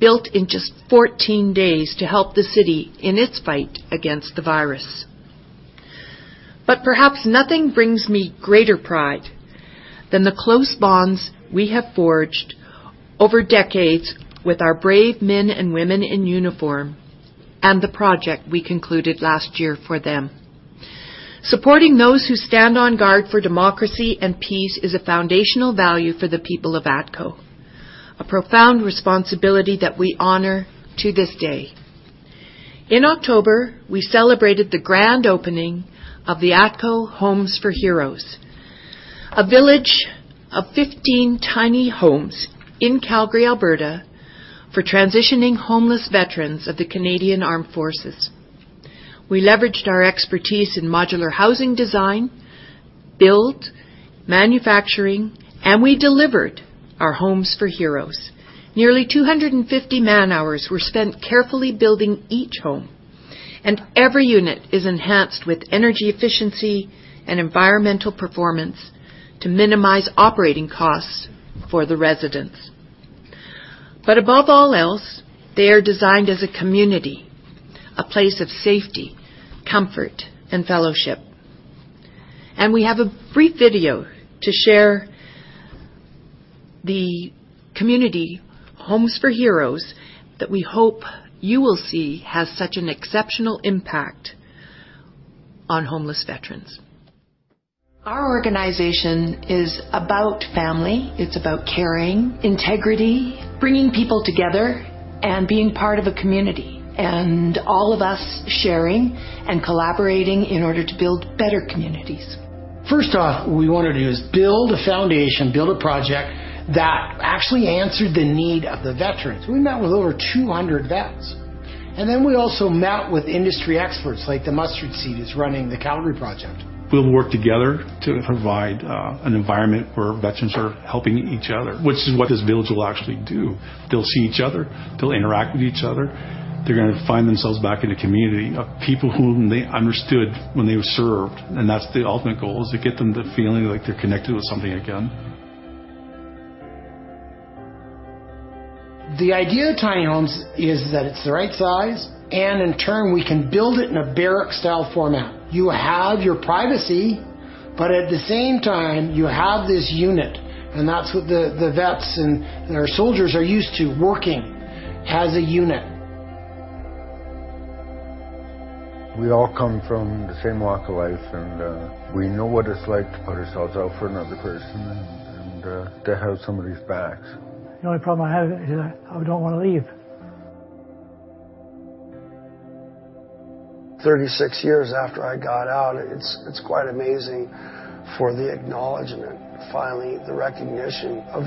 built in just 14 days to help the city in its fight against the virus. Perhaps nothing brings me greater pride than the close bonds we have forged over decades with our brave men and women in uniform and the project we concluded last year for them. Supporting those who stand on guard for democracy and peace is a foundational value for the people of ATCO, a profound responsibility that we honor to this day. In October, we celebrated the grand opening of the ATCO Homes for Heroes, a village of 15 tiny homes in Calgary, Alberta, for transitioning homeless veterans of the Canadian Armed Forces. We leveraged our expertise in modular housing design, build, manufacturing, and we delivered our Homes for Heroes. Nearly 250 man-hours were spent carefully building each home, and every unit is enhanced with energy efficiency and environmental performance to minimize operating costs for the residents. Above all else, they are designed as a community, a place of safety, comfort, and fellowship. We have a brief video to share the community, Homes for Heroes, that we hope you will see has such an exceptional impact on homeless veterans. Our organization is about family. It's about caring, integrity, bringing people together, and being part of a community, and all of us sharing and collaborating in order to build better communities. First off, what we want to do is build a foundation, build a project that actually answered the need of the veterans. We met with over 200 vets, and then we also met with industry experts, like The Mustard Seed who's running the Calgary project. We've worked together to provide an environment where veterans are helping each other, which is what this village will actually do. They'll see each other, they'll interact with each other. They're going to find themselves back in a community of people whom they understood when they served. That's the ultimate goal is to get them the feeling like they're connected with something again. The idea of tiny homes is that it's the right size, and in turn, we can build it in a barrack-style format. You have your privacy, but at the same time, you have this unit, and that's what the vets and our soldiers are used to, working as a unit. We all come from the same walk of life, and we know what it's like to put ourselves out for another person and to have somebody's backs. The only problem I have is that I don't want to leave. 36 years after I got out, it's quite amazing for the acknowledgment, finally, the recognition of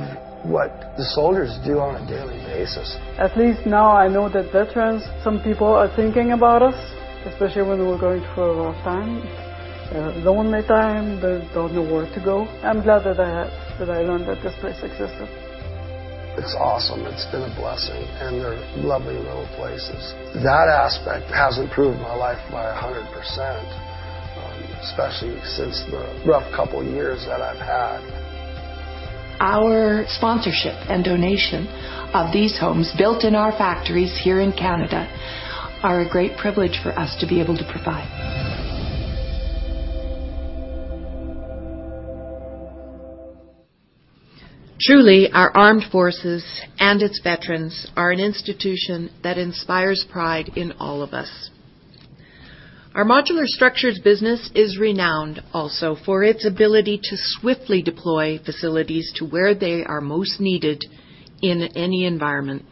what the soldiers do on a daily basis. At least now I know that veterans, some people are thinking about us, especially when we're going through a rough time, a lonely time, don't know where to go. I'm glad that I learned that this place existed. It's awesome. It's been a blessing. They're lovely little places. That aspect has improved my life by 100%, especially since the rough couple years that I've had. Our sponsorship and donation of these homes, built in our factories here in Canada, are a great privilege for us to be able to provide. Truly, our armed forces and its veterans are an institution that inspires pride in all of us. Our modular structures business is renowned also for its ability to swiftly deploy facilities to where they are most needed in any environment.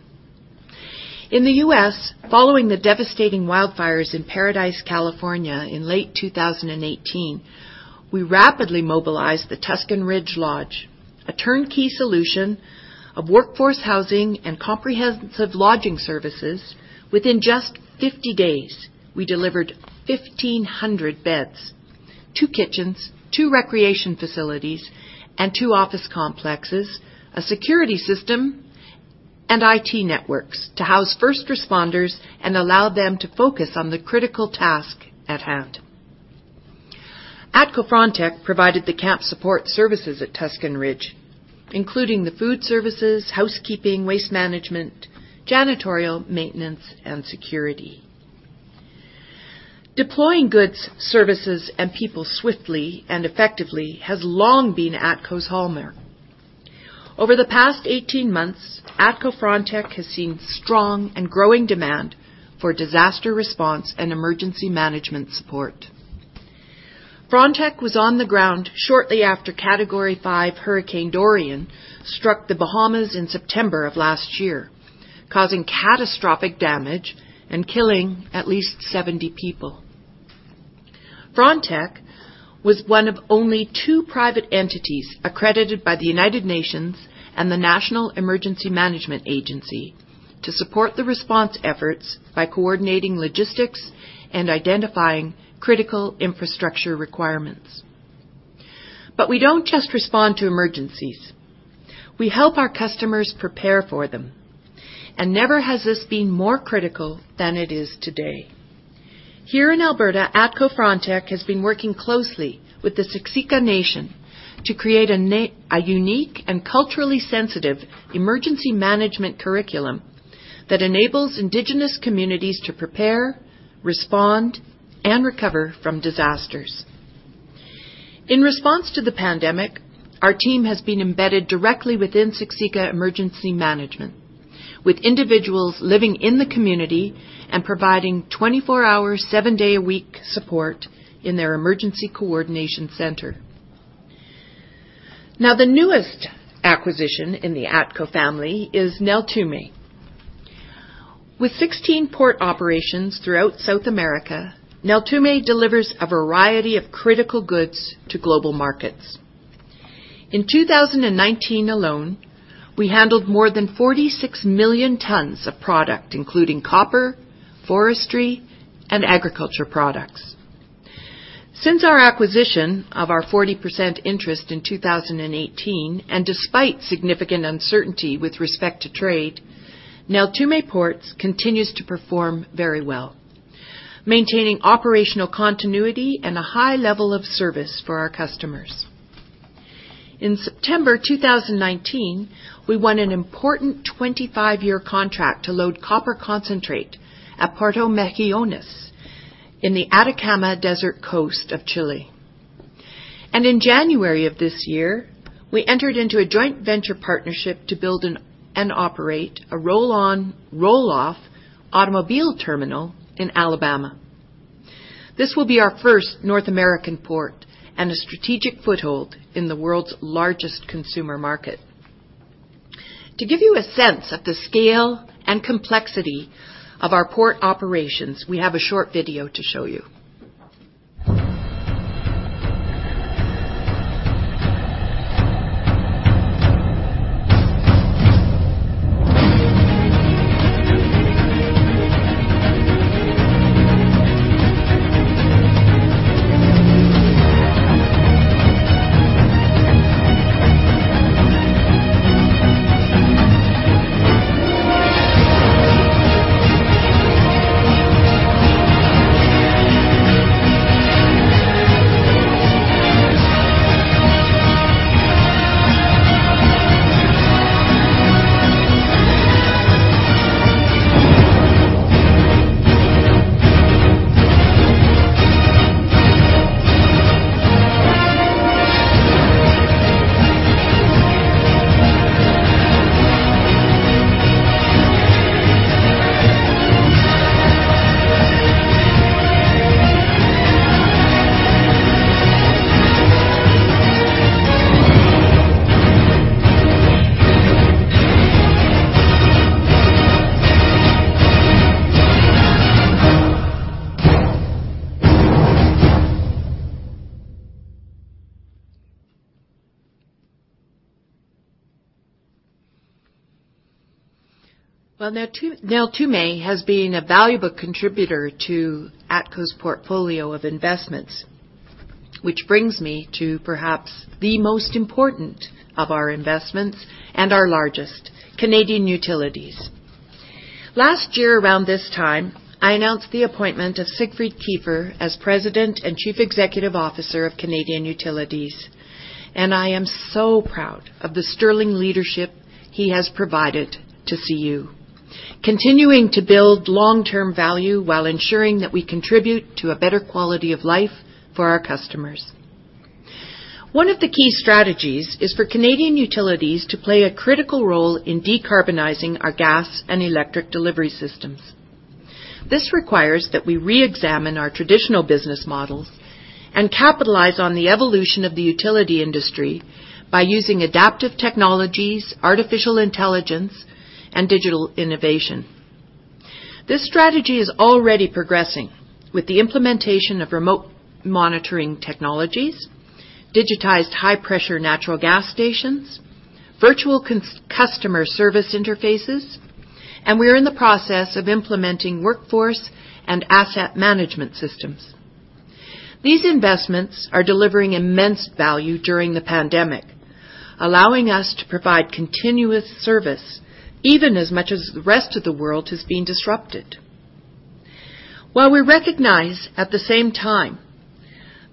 In the U.S., following the devastating wildfires in Paradise, California in late 2018, we rapidly mobilized the Tuscan Ridge Lodge, a turnkey solution of workforce housing and comprehensive lodging services. Within just 50 days, we delivered 1,500 beds, two kitchens, two recreation facilities, and two office complexes, a security system, and IT networks to house first responders and allow them to focus on the critical task at hand. ATCO Frontec provided the camp support services at Tuscan Ridge, including the food services, housekeeping, waste management, janitorial, maintenance, and security. Deploying goods, services, and people swiftly and effectively has long been ATCO's hallmark. Over the past 18 months, ATCO Frontec has seen strong and growing demand for disaster response and emergency management support. Frontec was on the ground shortly after Category 5 Hurricane Dorian struck the Bahamas in September of last year, causing catastrophic damage and killing at least 70 people. Frontec was one of only two private entities accredited by the United Nations and the National Emergency Management Agency to support the response efforts by coordinating logistics and identifying critical infrastructure requirements. We don't just respond to emergencies. We help our customers prepare for them, never has this been more critical than it is today. Here in Alberta, ATCO Frontec has been working closely with the Siksika Nation to create a unique and culturally sensitive emergency management curriculum that enables indigenous communities to prepare, respond, and recover from disasters. In response to the pandemic, our team has been embedded directly within Siksika Nation Emergency Management, with individuals living in the community and providing 24-hour, seven-day-a-week support in their emergency coordination center. Now, the newest acquisition in the ATCO family is Neltume. With 16 port operations throughout South America, Neltume delivers a variety of critical goods to global markets. In 2019 alone, we handled more than 46 million tons of product, including copper, forestry, and agriculture products. Since our acquisition of our 40% interest in 2018, and despite significant uncertainty with respect to trade, Neltume Ports continues to perform very well, maintaining operational continuity and a high level of service for our customers. In September 2019, we won an important 25-year contract to load copper concentrate at Puerto Mejillones in the Atacama Desert coast of Chile. In January of this year, we entered into a joint venture partnership to build and operate a roll-on, roll-off automobile terminal in Alabama. This will be our first North American port and a strategic foothold in the world's largest consumer market. To give you a sense of the scale and complexity of our port operations, we have a short video to show you. Well, Neltume has been a valuable contributor to ATCO's portfolio of investments, which brings me to perhaps the most important of our investments and our largest, Canadian Utilities. Last year around this time, I announced the appointment of Siegfried Kiefer as President and Chief Executive Officer of Canadian Utilities. I am so proud of the sterling leadership he has provided to CU. Continuing to build long-term value while ensuring that we contribute to a better quality of life for our customers. One of the key strategies is for Canadian Utilities to play a critical role in decarbonizing our gas and electric delivery systems. This requires that we reexamine our traditional business models and capitalize on the evolution of the utility industry by using adaptive technologies, artificial intelligence, and digital innovation. This strategy is already progressing with the implementation of remote monitoring technologies, digitized high-pressure natural gas stations, virtual customer service interfaces, and we're in the process of implementing workforce and asset management systems. These investments are delivering immense value during the pandemic, allowing us to provide continuous service, even as much as the rest of the world has been disrupted. We recognize, at the same time,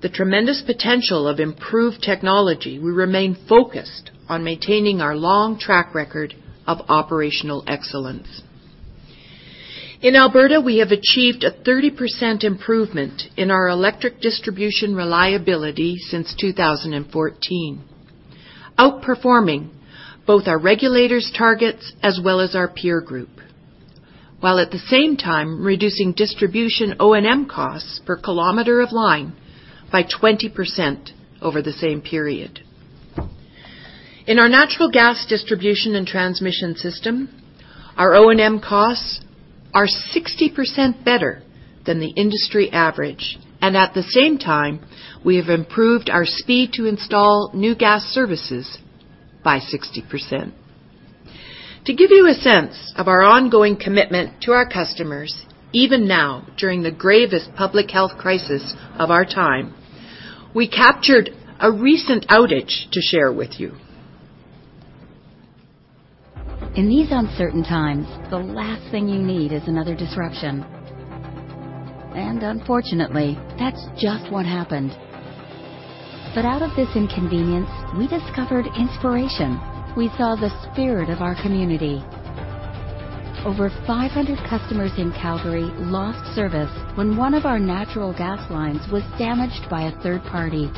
the tremendous potential of improved technology, we remain focused on maintaining our long track record of operational excellence. In Alberta, we have achieved a 30% improvement in our electric distribution reliability since 2014, outperforming both our regulators' targets as well as our peer group, while at the same time reducing distribution O&M costs per km of line by 20% over the same period. In our natural gas distribution and transmission system, our O&M costs are 60% better than the industry average. At the same time, we have improved our speed to install new gas services by 60%. To give you a sense of our ongoing commitment to our customers, even now during the gravest public health crisis of our time, we captured a recent outage to share with you. In these uncertain times, the last thing you need is another disruption. Unfortunately, that's just what happened. Out of this inconvenience, we discovered inspiration. We saw the spirit of our community. Over 500 customers in Calgary lost service when one of our natural gas lines was damaged by a third party.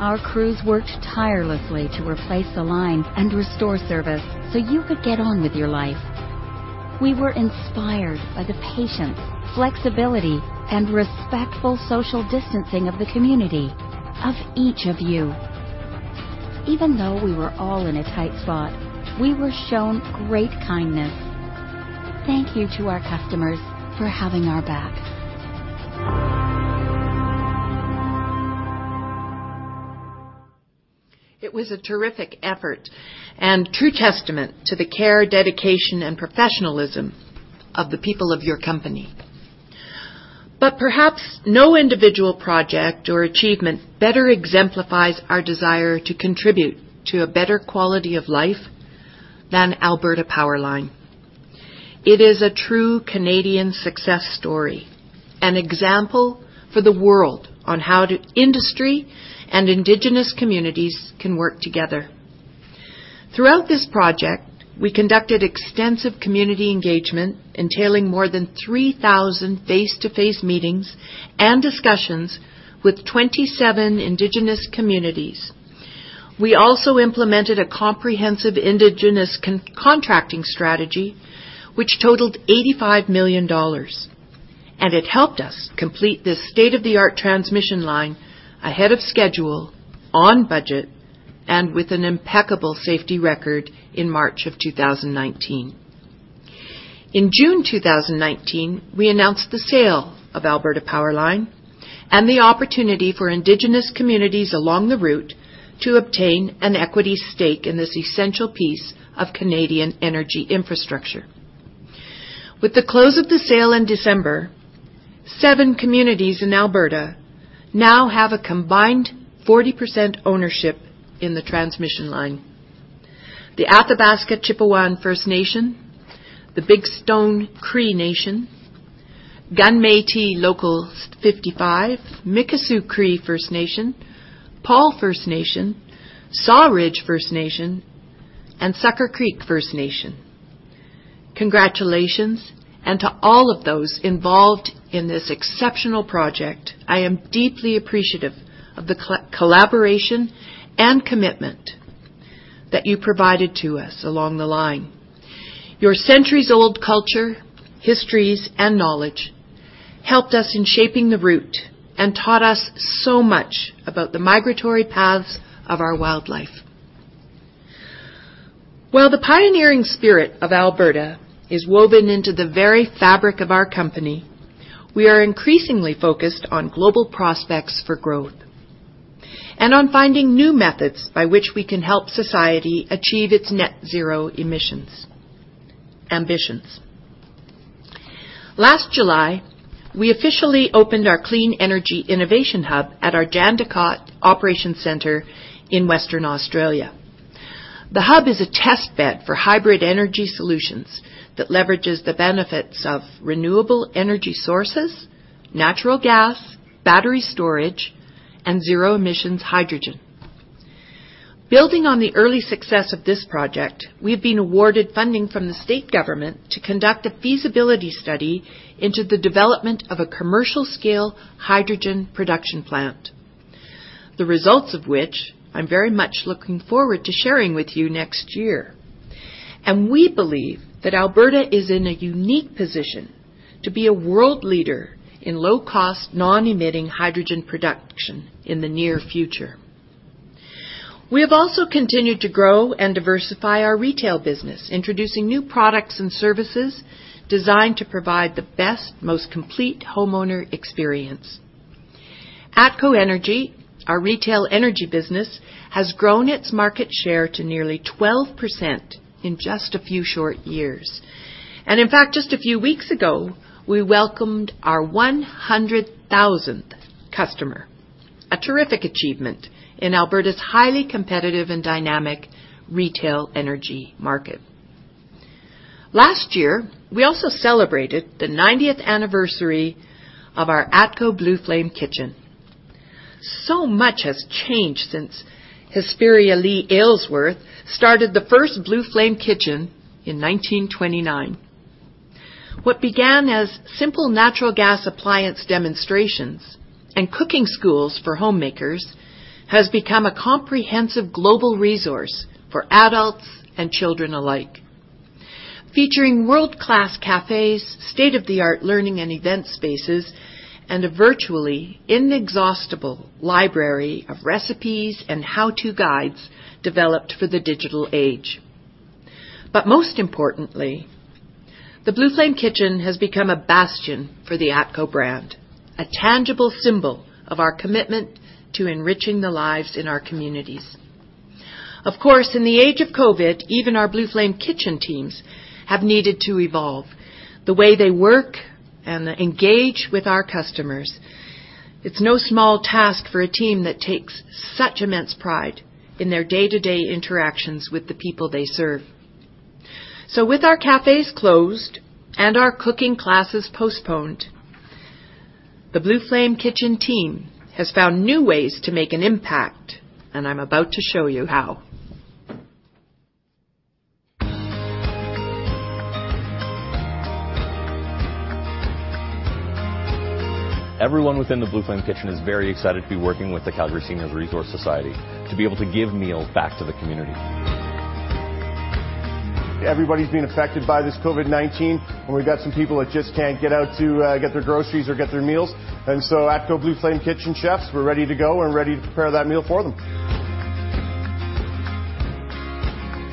Our crews worked tirelessly to replace the line and restore service so you could get on with your life. We were inspired by the patience, flexibility, and respectful social distancing of the community, of each of you. Even though we were all in a tight spot, we were shown great kindness. Thank you to our customers for having our back. It was a terrific effort and true testament to the care, dedication, and professionalism of the people of your company. Perhaps no individual project or achievement better exemplifies our desire to contribute to a better quality of life than Alberta PowerLine. It is a true Canadian success story, an example for the world on how industry and indigenous communities can work together. Throughout this project, we conducted extensive community engagement entailing more than 3,000 face-to-face meetings and discussions with 27 indigenous communities. We also implemented a comprehensive indigenous contracting strategy which totaled 85 million dollars, and it helped us complete this state-of-the-art transmission line ahead of schedule, on budget, and with an impeccable safety record in March of 2019. In June 2019, we announced the sale of Alberta PowerLine and the opportunity for indigenous communities along the route to obtain an equity stake in this essential piece of Canadian energy infrastructure. With the close of the sale in December, seven communities in Alberta now have a combined 40% ownership in the transmission line. The Athabasca Chipewyan First Nation, the Bigstone Cree Nation, Gunn Métis Local 55, Mikisew Cree First Nation, Paul First Nation, Sawridge First Nation, and Sucker Creek First Nation. Congratulations. To all of those involved in this exceptional project, I am deeply appreciative of the collaboration and commitment that you provided to us along the line. Your centuries-old culture, histories, and knowledge helped us in shaping the route and taught us so much about the migratory paths of our wildlife. While the pioneering spirit of Alberta is woven into the very fabric of our company, we are increasingly focused on global prospects for growth and on finding new methods by which we can help society achieve its net zero emissions ambitions. Last July, we officially opened our clean energy innovation hub at our Jandakot Operations Center in Western Australia. The hub is a test bed for hybrid energy solutions that leverages the benefits of renewable energy sources, natural gas, battery storage, and zero-emissions hydrogen. Building on the early success of this project, we have been awarded funding from the state government to conduct a feasibility study into the development of a commercial-scale hydrogen production plant, the results of which I'm very much looking forward to sharing with you next year. We believe that Alberta is in a unique position to be a world leader in low-cost, non-emitting hydrogen production in the near future. We have also continued to grow and diversify our retail business, introducing new products and services designed to provide the best, most complete homeowner experience. ATCO Energy, our retail energy business, has grown its market share to nearly 12% in just a few short years. In fact, just a few weeks ago, we welcomed our 100,000th customer, a terrific achievement in Alberta's highly competitive and dynamic retail energy market. Last year, we also celebrated the 90th anniversary of our ATCO Blue Flame Kitchen. So much has changed since Hesperia Lee Aylesworth started the first Blue Flame Kitchen in 1929. What began as simple natural gas appliance demonstrations and cooking schools for homemakers has become a comprehensive global resource for adults and children alike. Featuring world-class cafes, state-of-the-art learning and event spaces, and a virtually inexhaustible library of recipes and how-to guides developed for the digital age. Most importantly, the Blue Flame Kitchen has become a bastion for the ATCO brand, a tangible symbol of our commitment to enriching the lives in our communities. Of course, in the age of COVID, even our Blue Flame Kitchen teams have needed to evolve the way they work and engage with our customers. It's no small task for a team that takes such immense pride in their day-to-day interactions with the people they serve. With our cafes closed and our cooking classes postponed, the Blue Flame Kitchen team has found new ways to make an impact, and I'm about to show you how. Everyone within the Blue Flame Kitchen is very excited to be working with the Calgary Seniors' Resource Society to be able to give meals back to the community. Everybody's been affected by this COVID-19, and we've got some people that just can't get out to get their groceries or get their meals. ATCO Blue Flame Kitchen chefs, we're ready to go and ready to prepare that meal for them.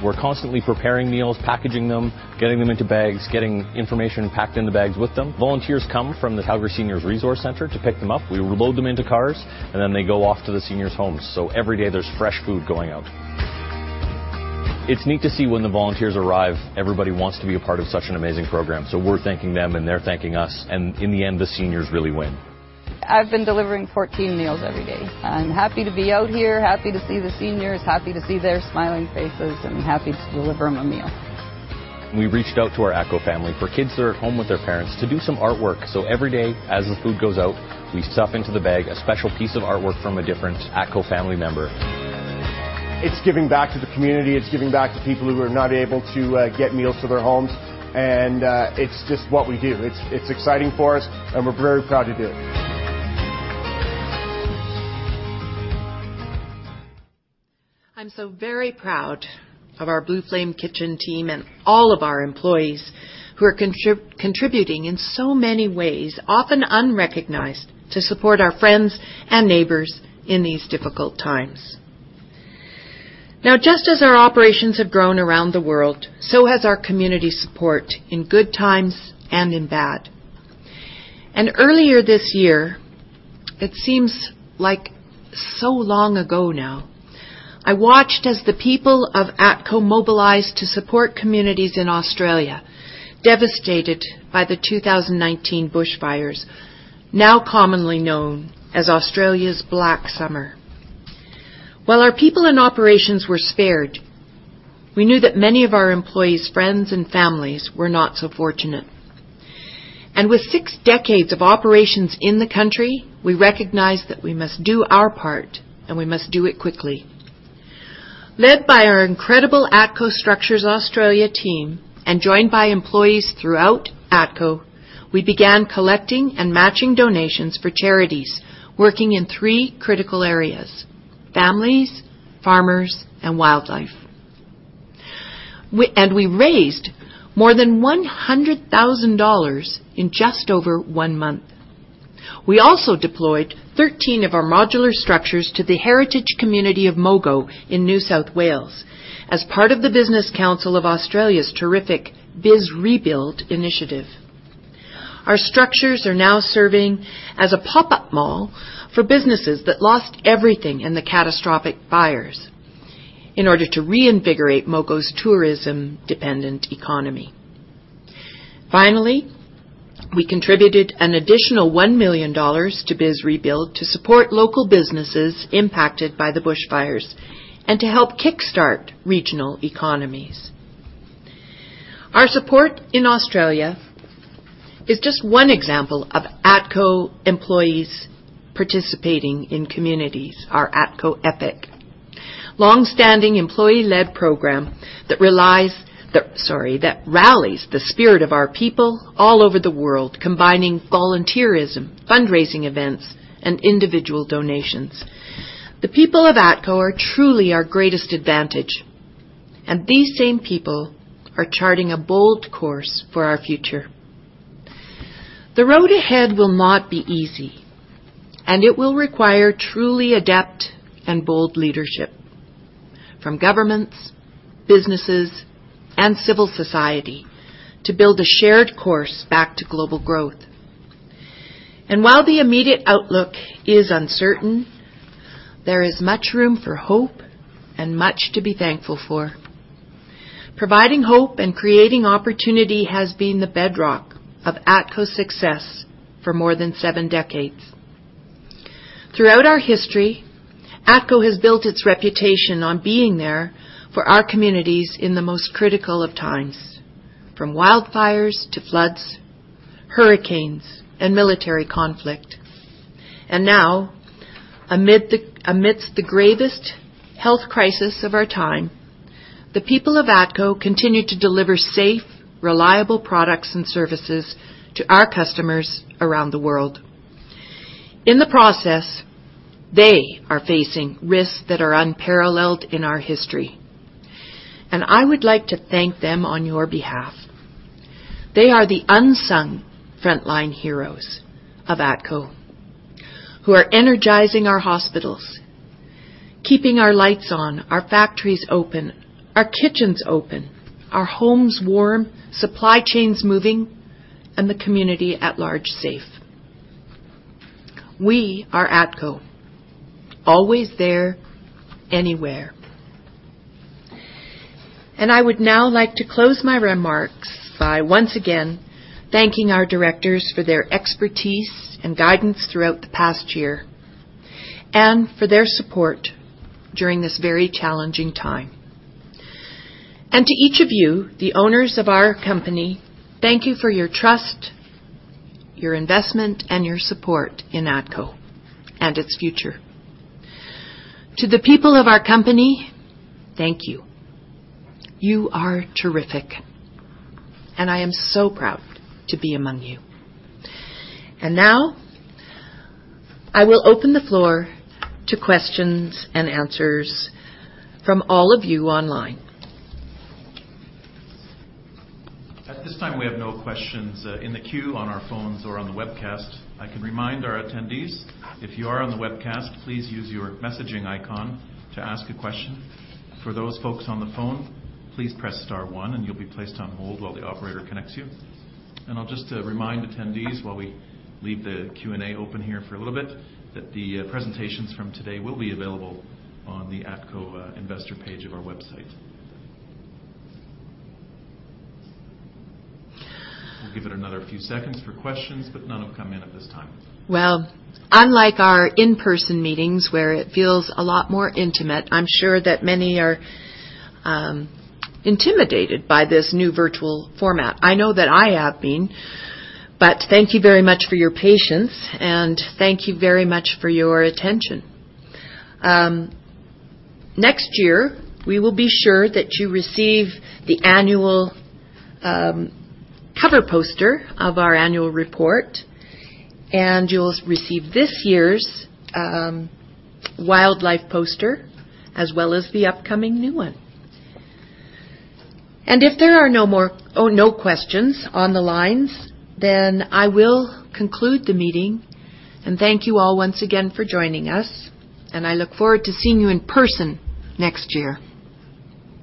We're constantly preparing meals, packaging them, getting them into bags, getting information packed in the bags with them. Volunteers come from the Calgary Seniors' Resource Society to pick them up. We load them into cars. They go off to the seniors' homes. Every day there's fresh food going out. It's neat to see when the volunteers arrive. Everybody wants to be a part of such an amazing program. We're thanking them, and they're thanking us. In the end, the seniors really win. I've been delivering 14 meals every day. I'm happy to be out here, happy to see the seniors, happy to see their smiling faces, and happy to deliver them a meal. We reached out to our ATCO family for kids that are at home with their parents to do some artwork. Every day as the food goes out, we stuff into the bag a special piece of artwork from a different ATCO family member. It's giving back to the community. It's giving back to people who are not able to get meals to their homes. It's just what we do. It's exciting for us, and we're very proud to do it. I'm so very proud of our Blue Flame Kitchen team and all of our employees who are contributing in so many ways, often unrecognized, to support our friends and neighbors in these difficult times. Just as our operations have grown around the world, so has our community support in good times and in bad. Earlier this year, it seems like so long ago now, I watched as the people of ATCO mobilized to support communities in Australia devastated by the 2019 bushfires, now commonly known as Australia's Black Summer. While our people and operations were spared, we knew that many of our employees' friends and families were not so fortunate. With six decades of operations in the country, we recognized that we must do our part, and we must do it quickly. Led by our incredible ATCO Structures Australia team and joined by employees throughout ATCO, we began collecting and matching donations for charities working in three critical areas: families, farmers, and wildlife. We raised more than 100,000 dollars in just over one month. We also deployed 13 of our modular structures to the heritage community of Mogo in New South Wales as part of the Business Council of Australia's terrific BizRebuild initiative. Our structures are now serving as a pop-up mall for businesses that lost everything in the catastrophic fires in order to reinvigorate Mogo's tourism-dependent economy. Finally, we contributed an additional 1 million dollars to BizRebuild to support local businesses impacted by the bushfires and to help kickstart regional economies. Our support in Australia is just one example of ATCO employees participating in communities, our ATCO EPIC, longstanding employee-led program that rallies the spirit of our people all over the world, combining volunteerism, fundraising events, and individual donations. The people of ATCO are truly our greatest advantage, these same people are charting a bold course for our future. The road ahead will not be easy, it will require truly adept and bold leadership from governments, businesses, and civil society to build a shared course back to global growth. While the immediate outlook is uncertain, there is much room for hope and much to be thankful for. Providing hope and creating opportunity has been the bedrock of ATCO's success for more than seven decades. Throughout our history, ATCO has built its reputation on being there for our communities in the most critical of times, from wildfires to floods, hurricanes, and military conflict. Now, amidst the gravest health crisis of our time, the people of ATCO continue to deliver safe, reliable products and services to our customers around the world. In the process, they are facing risks that are unparalleled in our history, and I would like to thank them on your behalf. They are the unsung frontline heroes of ATCO who are energizing our hospitals, keeping our lights on, our factories open, our kitchens open, our homes warm, supply chains moving, and the community at large safe. We are ATCO, always there, anywhere. I would now like to close my remarks by once again thanking our directors for their expertise and guidance throughout the past year and for their support during this very challenging time. To each of you, the owners of our company, thank you for your trust, your investment, and your support in ATCO and its future. To the people of our company, thank you. You are terrific, and I am so proud to be among you. Now, I will open the floor to questions and answers from all of you online. At this time, we have no questions in the queue, on our phones, or on the webcast. I can remind our attendees, if you are on the webcast, please use your messaging icon to ask a question. For those folks on the phone, please press star one and you'll be placed on hold while the operator connects you. I'll just remind attendees while we leave the Q&A open here for a little bit, that the presentations from today will be available on the ATCO investor page of our website. We'll give it another few seconds for questions, but none have come in at this time. Well, unlike our in-person meetings, where it feels a lot more intimate, I'm sure that many are intimidated by this new virtual format. I know that I have been. Thank you very much for your patience, and thank you very much for your attention. Next year, we will be sure that you receive the annual cover poster of our annual report, and you'll receive this year's wildlife poster as well as the upcoming new one. If there are no questions on the lines, then I will conclude the meeting and thank you all once again for joining us, and I look forward to seeing you in person next year.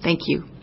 Thank you.